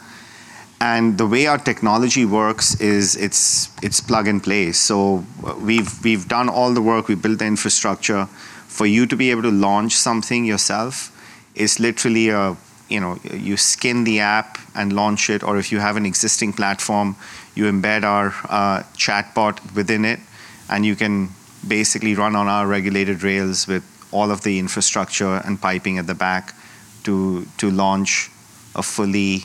The way our technology works is it's plug and play. We've done all the work. We've built the infrastructure. For you to be able to launch something yourself is literally, you know, you skin the app and launch it, or if you have an existing platform, you embed our chatbot within it, and you can basically run on our regulated rails with all of the infrastructure and piping at the back to launch a fully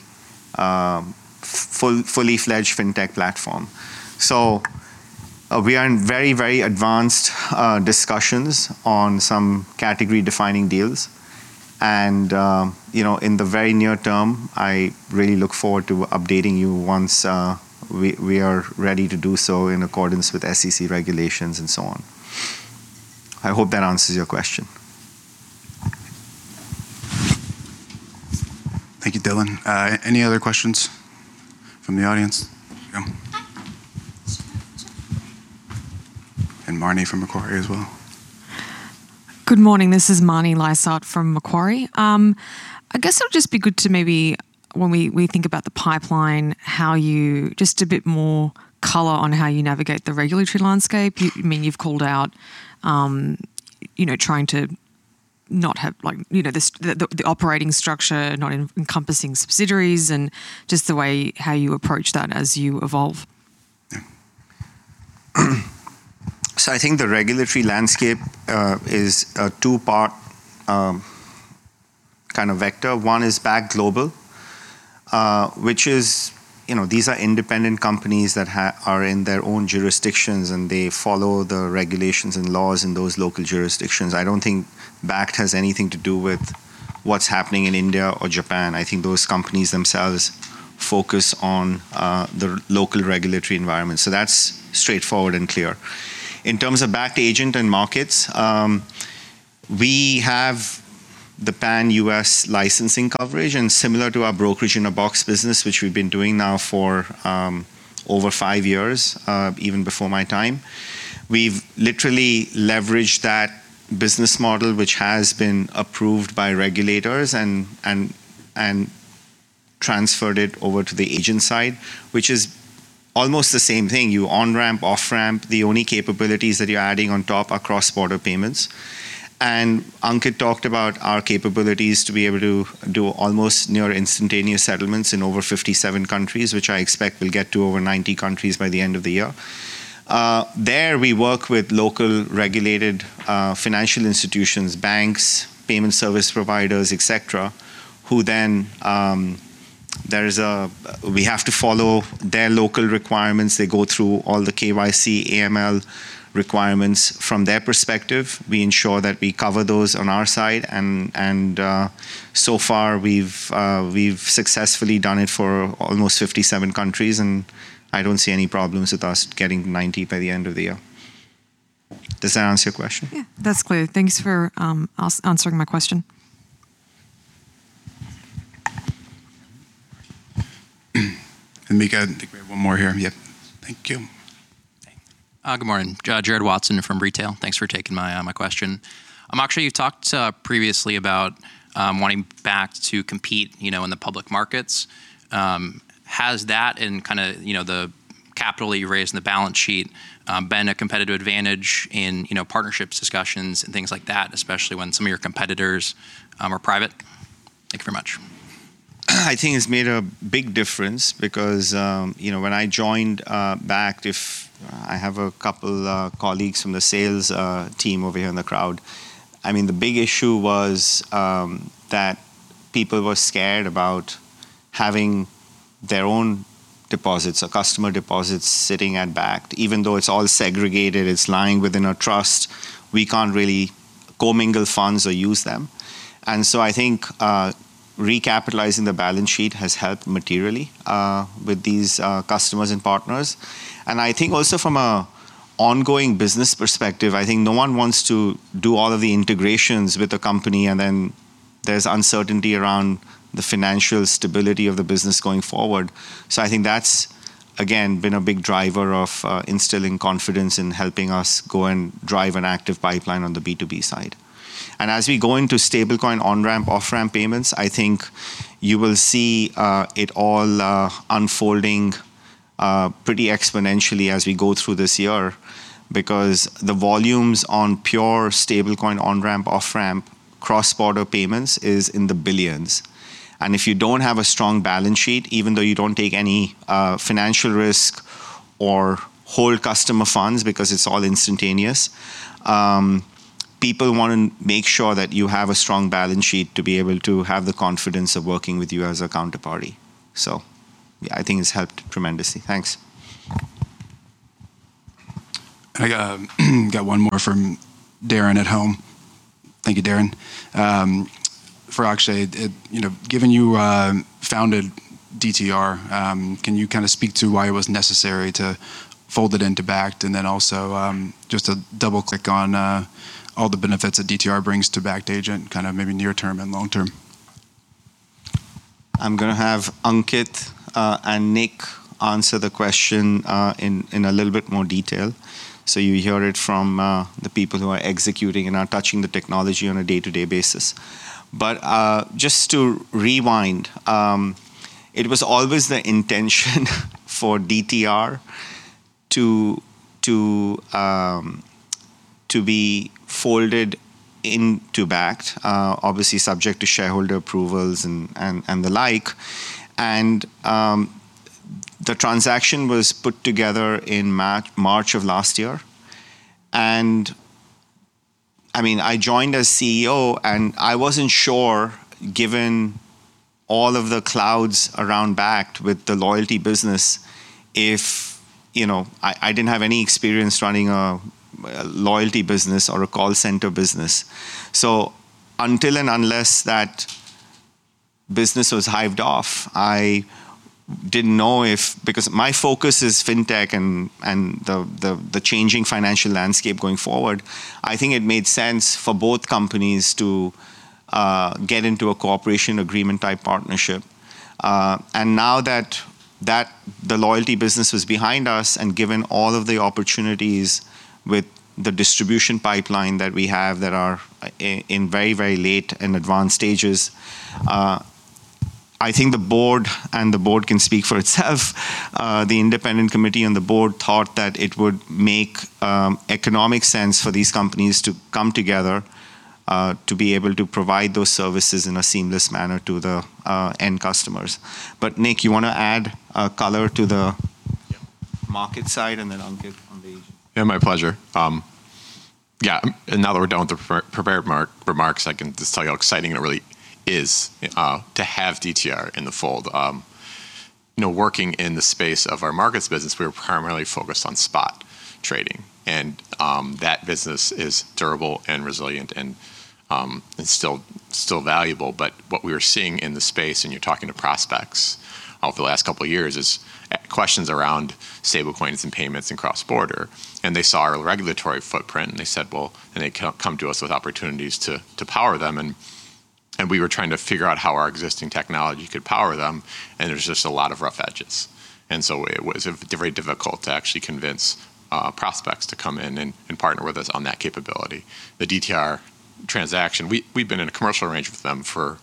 fledged fintech platform. We are in very, very advanced discussions on some category-defining deals, and, you know, in the very near term, I really look forward to updating you once we are ready to do so in accordance with SEC regulations and so on. I hope that answers your question. Thank you, Dylan. Any other questions from the audience? Yeah. Hi. Marnie from Macquarie as well. Good morning, this is Marnie Lysaght from Macquarie. I guess it'll just be good to maybe when we think about the pipeline, how you just a bit more color on how you navigate the regulatory landscape. I mean, you've called out, you know, trying to not have like, you know, the operating structure, not encompassing subsidiaries and just the way how you approach that as you evolve. I think the regulatory landscape is a two-part kind of vector. One is Bakkt Global, you know, these are independent companies that are in their own jurisdictions, and they follow the regulations and laws in those local jurisdictions. I don't think Bakkt has anything to do with what's happening in India or Japan. I think those companies themselves focus on the local regulatory environment, so that's straightforward and clear. In terms of Bakkt Agent and Markets, we have the pan-U.S. licensing coverage and similar to our brokerage-in-a-box business which we've been doing now for over five years, even before my time. We've literally leveraged that business model which has been approved by regulators and transferred it over to the agent side, which is almost the same thing. You on-ramp, off-ramp, the only capabilities that you're adding on top are cross-border payments. Ankit talked about our capabilities to be able to do almost near instantaneous settlements in over 57 countries, which I expect will get to over 90 countries by the end of the year. There we work with local regulated financial institutions, banks, payment service providers, et cetera, who then we have to follow their local requirements. They go through all the KYC, AML requirements from their perspective. We ensure that we cover those on our side and so far we've successfully done it for almost 57 countries, and I don't see any problems with us getting 90 by the end of the year. Does that answer your question? Yeah, that's clear. Thanks for answering my question. Mika, I think we have one more here. Yep. Thank you. Good morning. Darren Watson from Retail. Thanks for taking my question. Actually, you talked previously about wanting Bakkt to compete, you know, in the public markets. Has that and kinda, you know, the capital you raised in the balance sheet been a competitive advantage in, you know, partnerships, discussions and things like that, especially when some of your competitors are private? Thank you very much. I think it's made a big difference because, you know, when I joined Bakkt, I have a couple colleagues from the sales team over here in the crowd. I mean, the big issue was that people were scared about having their own deposits or customer deposits sitting at Bakkt. Even though it's all segregated, it's lying within a trust, we can't really commingle funds or use them. I think recapitalizing the balance sheet has helped materially with these customers and partners. I think also from an ongoing business perspective, I think no one wants to do all of the integrations with the company, and then there's uncertainty around the financial stability of the business going forward. I think that's, again, been a big driver of instilling confidence in helping us go and drive an active pipeline on the B2B side. As we go into stablecoin on-ramp, off-ramp payments, I think you will see it all unfolding pretty exponentially as we go through this year because the volumes on pure stablecoin on-ramp, off-ramp cross-border payments is in the billions. If you don't have a strong balance sheet, even though you don't take any financial risk or hold customer funds because it's all instantaneous, people wanna make sure that you have a strong balance sheet to be able to have the confidence of working with you as a counterparty. Yeah, I think it's helped tremendously. Thanks. I got one more from Darren at home. Thank you, Darren. For Akshay, you know, given you founded DTR, can you kinda speak to why it was necessary to fold it into Bakkt? Then also, just to double-click on all the benefits that DTR brings to Bakkt Agent, kinda maybe near term and long term. I'm gonna have Ankit and Nick answer the question in a little bit more detail. You hear it from the people who are executing and are touching the technology on a day-to-day basis. Just to rewind, it was always the intention for DTR to be folded into Bakkt, obviously subject to shareholder approvals and the like. The transaction was put together in March of last year. I mean, I joined as CEO, and I wasn't sure, given all of the clouds around Bakkt with the loyalty business, if you know, I didn't have any experience running a loyalty business or a call center business. Until and unless that business was hived off, I didn't know if. Because my focus is fintech and the changing financial landscape going forward, I think it made sense for both companies to get into a cooperation agreement type partnership. Now that the Loyalty business was behind us and given all of the opportunities with the distribution pipeline that we have that are in very late and advanced stages, I think the board can speak for itself. The independent committee and the board thought that it would make economic sense for these companies to come together to be able to provide those services in a seamless manner to the end customers. Nick, you wanna add color to the. Yeah. Market side, and then Ankit on the agent. Yeah, my pleasure. Yeah. Now that we're done with the prepared remarks, I can just tell you how exciting it really is to have DTR in the fold. You know, working in the space of our markets business, we were primarily focused on spot trading, and that business is durable and resilient and still valuable. What we were seeing in the space when you're talking to prospects over the last couple of years is questions around stablecoins and payments and cross-border. They saw our regulatory footprint, and they said, well, and they come to us with opportunities to power them and we were trying to figure out how our existing technology could power them, and there's just a lot of rough edges. It was very difficult to actually convince prospects to come in and partner with us on that capability. The DTR transaction, we've been in a commercial arrangement with them for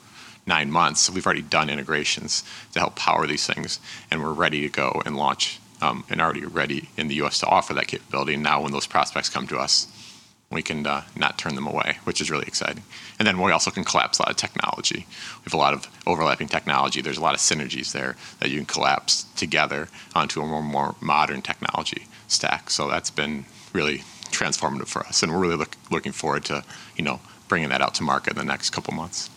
nine months, so we've already done integrations to help power these things, and we're ready to go and launch and already ready in the U.S. to offer that capability. Now when those prospects come to us, we can not turn them away, which is really exciting. Then we also can collapse a lot of technology. We have a lot of overlapping technology. There's a lot of synergies there that you can collapse together onto a more modern technology stack. That's been really transformative for us, and we're really looking forward to, you know, bringing that out to market in the next couple of months.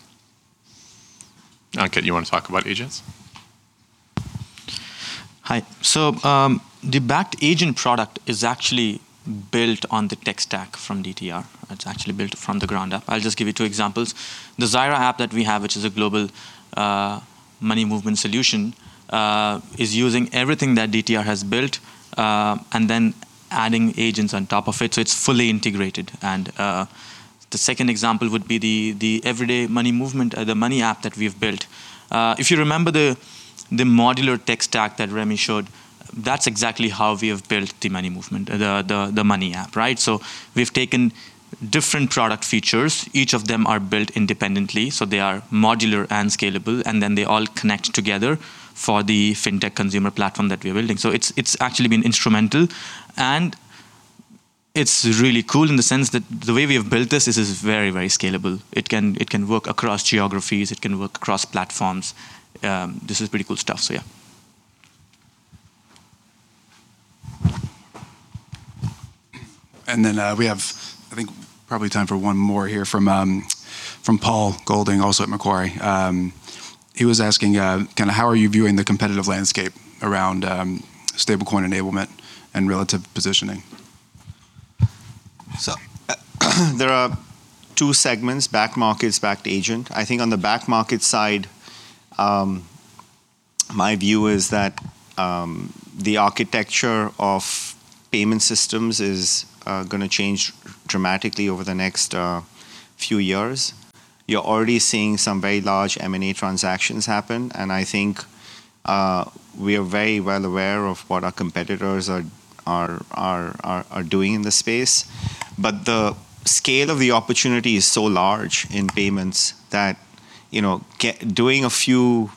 Ankit, you wanna talk about agents? Hi. The Bakkt Agent product is actually built on the tech stack from DTR. It's actually built from the ground up. I'll just give you two examples. The Zaira app that we have, which is a global money movement solution, is using everything that DTR has built and then adding agents on top of it, so it's fully integrated. The second example would be the Everyday Money movement, the money app that we've built. If you remember the modular tech stack that Remi showed, that's exactly how we have built the money movement, the money app, right? We've taken different product features. Each of them are built independently, so they are modular and scalable, and then they all connect together for the fintech consumer platform that we are building. It's actually been instrumental, and it's really cool in the sense that the way we have built this is very scalable. It can work across geographies. It can work across platforms. This is pretty cool stuff. Yeah. We have, I think, probably time for one more here from Paul Golding, also at Macquarie. He was asking kinda how are you viewing the competitive landscape around stablecoin enablement and relative positioning? There are two segments, Bakkt Markets, Bakkt Agent. I think on the Bakkt Markets side, my view is that the architecture of payment systems is gonna change dramatically over the next few years. You're already seeing some very large M&A transactions happen, and I think we are very well aware of what our competitors are doing in this space. The scale of the opportunity is so large in payments that, you know, doing a few,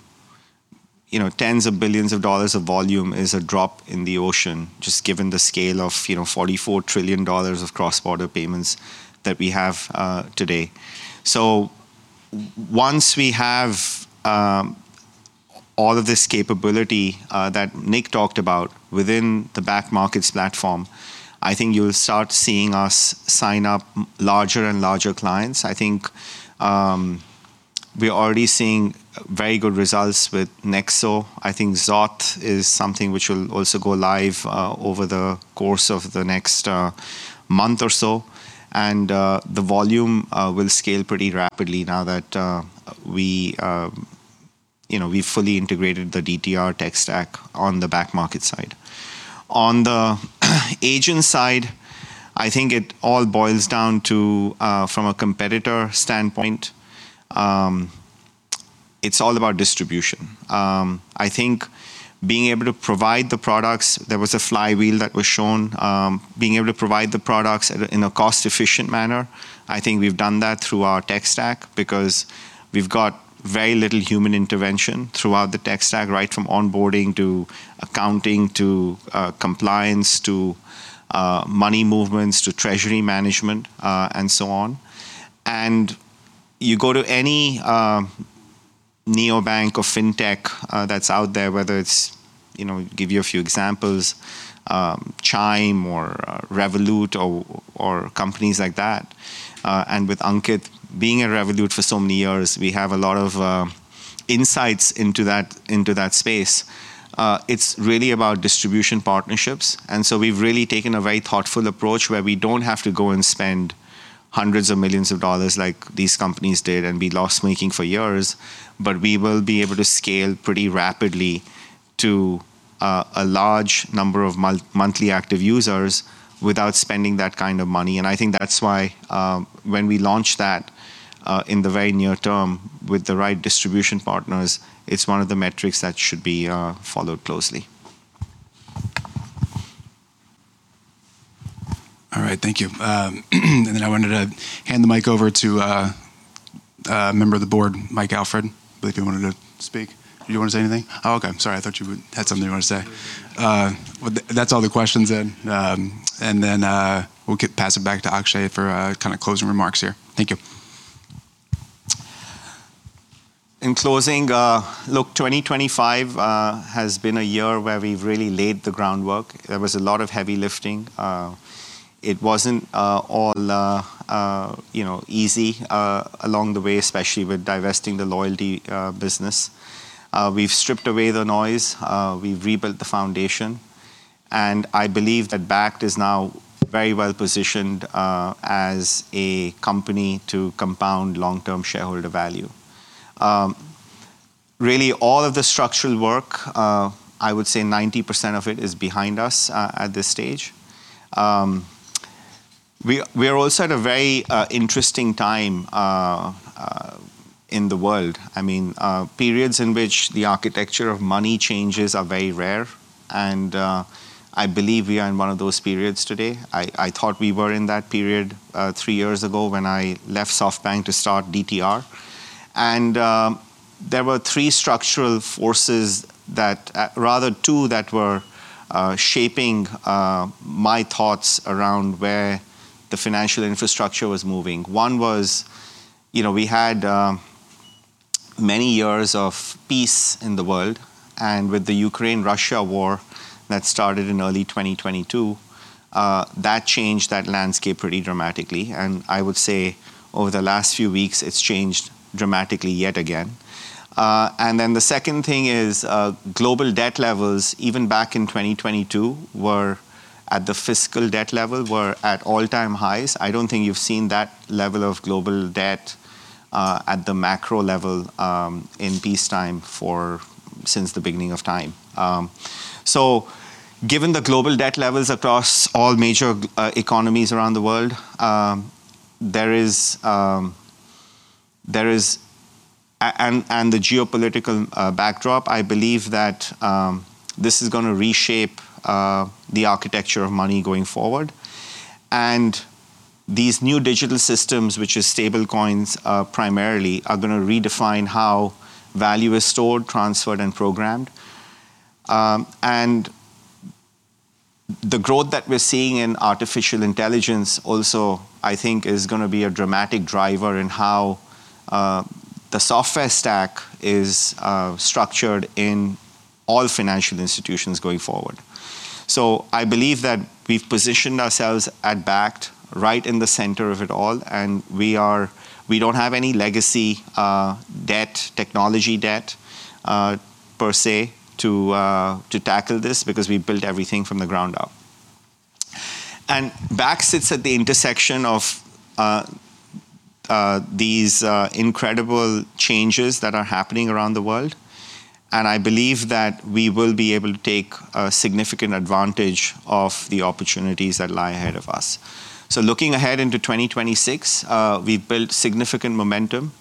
you know, tens of billions of dollars of volume is a drop in the ocean, just given the scale of, you know, $44 trillion of cross-border payments that we have today. Once we have all of this capability that Nick talked about within the Bakkt Markets platform, I think you'll start seeing us sign up larger and larger clients. I think we are already seeing very good results with Nexo. I think Zoth is something which will also go live over the course of the next month or so. The volume will scale pretty rapidly now that we’ve fully integrated the DTR tech stack on the Bakkt Markets side. On the agent side, I think it all boils down to from a competitor standpoint, it's all about distribution. I think being able to provide the products, there was a flywheel that was shown, being able to provide the products at a in a cost-efficient manner. I think we've done that through our tech stack because we've got very little human intervention throughout the tech stack, right from onboarding to accounting to compliance to money movements to treasury management, and so on. You go to any neobank or fintech that's out there, whether it's, you know, give you a few examples, Chime or Revolut or companies like that. With Ankit being at Revolut for so many years, we have a lot of insights into that space. It's really about distribution partnerships. We've really taken a very thoughtful approach where we don't have to go and spend hundreds of millions of dollars like these companies did and be loss-making for years. We will be able to scale pretty rapidly to a large number of monthly active users without spending that kind of money. I think that's why, when we launch that in the very near term with the right distribution partners, it's one of the metrics that should be followed closely. All right. Thank you. I wanted to hand the mic over to a member of the board, Mike Alfred. I believe you wanted to speak. You don't wanna say anything? Oh, okay. Sorry, I thought you had something you wanna say. Well, that's all the questions then. We'll pass it back to Akshay for kinda closing remarks here. Thank you. In closing, look, 2025 has been a year where we've really laid the groundwork. There was a lot of heavy lifting. It wasn't all, you know, easy along the way, especially with divesting the Loyalty business. We've stripped away the noise, we've rebuilt the foundation, and I believe that Bakkt is now very well-positioned as a company to compound long-term shareholder value. Really all of the structural work, I would say 90% of it is behind us at this stage. We're also at a very interesting time in the world. I mean, periods in which the architecture of money changes are very rare, and I believe we are in one of those periods today. I thought we were in that period three years ago when I left SoftBank to start DTR. There were two structural forces that were shaping my thoughts around where the financial infrastructure was moving. One was, you know, we had many years of peace in the world, and with the Ukraine-Russia war that started in early 2022, that changed that landscape pretty dramatically. I would say over the last few weeks, it's changed dramatically yet again. Then the second thing is global debt levels, even back in 2022, were at all-time highs. I don't think you've seen that level of global debt at the macro level in peacetime since the beginning of time. Given the global debt levels across all major economies around the world, and the geopolitical backdrop, I believe that this is gonna reshape the architecture of money going forward. These new digital systems, which is stablecoins, primarily, are gonna redefine how value is stored, transferred, and programmed. The growth that we're seeing in artificial intelligence also, I think, is gonna be a dramatic driver in how the software stack is structured in all financial institutions going forward. I believe that we've positioned ourselves at Bakkt right in the center of it all, and we don't have any legacy debt, technology debt, per se, to tackle this because we built everything from the ground up. Bakkt sits at the intersection of these incredible changes that are happening around the world, and I believe that we will be able to take a significant advantage of the opportunities that lie ahead of us. Looking ahead into 2026, we've built significant momentum.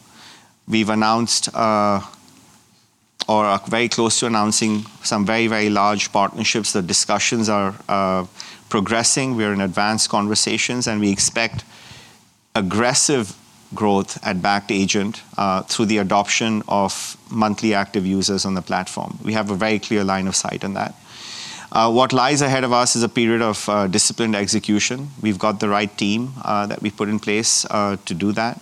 We've announced or are very close to announcing some very, very large partnerships. The discussions are progressing. We're in advanced conversations, and we expect aggressive growth at Bakkt Agent through the adoption of monthly active users on the platform. We have a very clear line of sight in that. What lies ahead of us is a period of disciplined execution. We've got the right team that we've put in place to do that,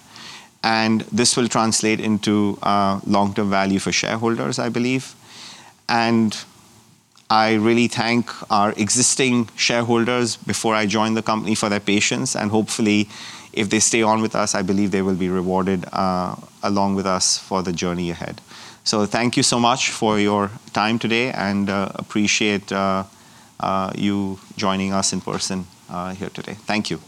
and this will translate into long-term value for shareholders, I believe. I really thank our existing shareholders before I joined the company for their patience, and hopefully, if they stay on with us, I believe they will be rewarded, along with us for the journey ahead. Thank you so much for your time today, and appreciate you joining us in person here today. Thank you.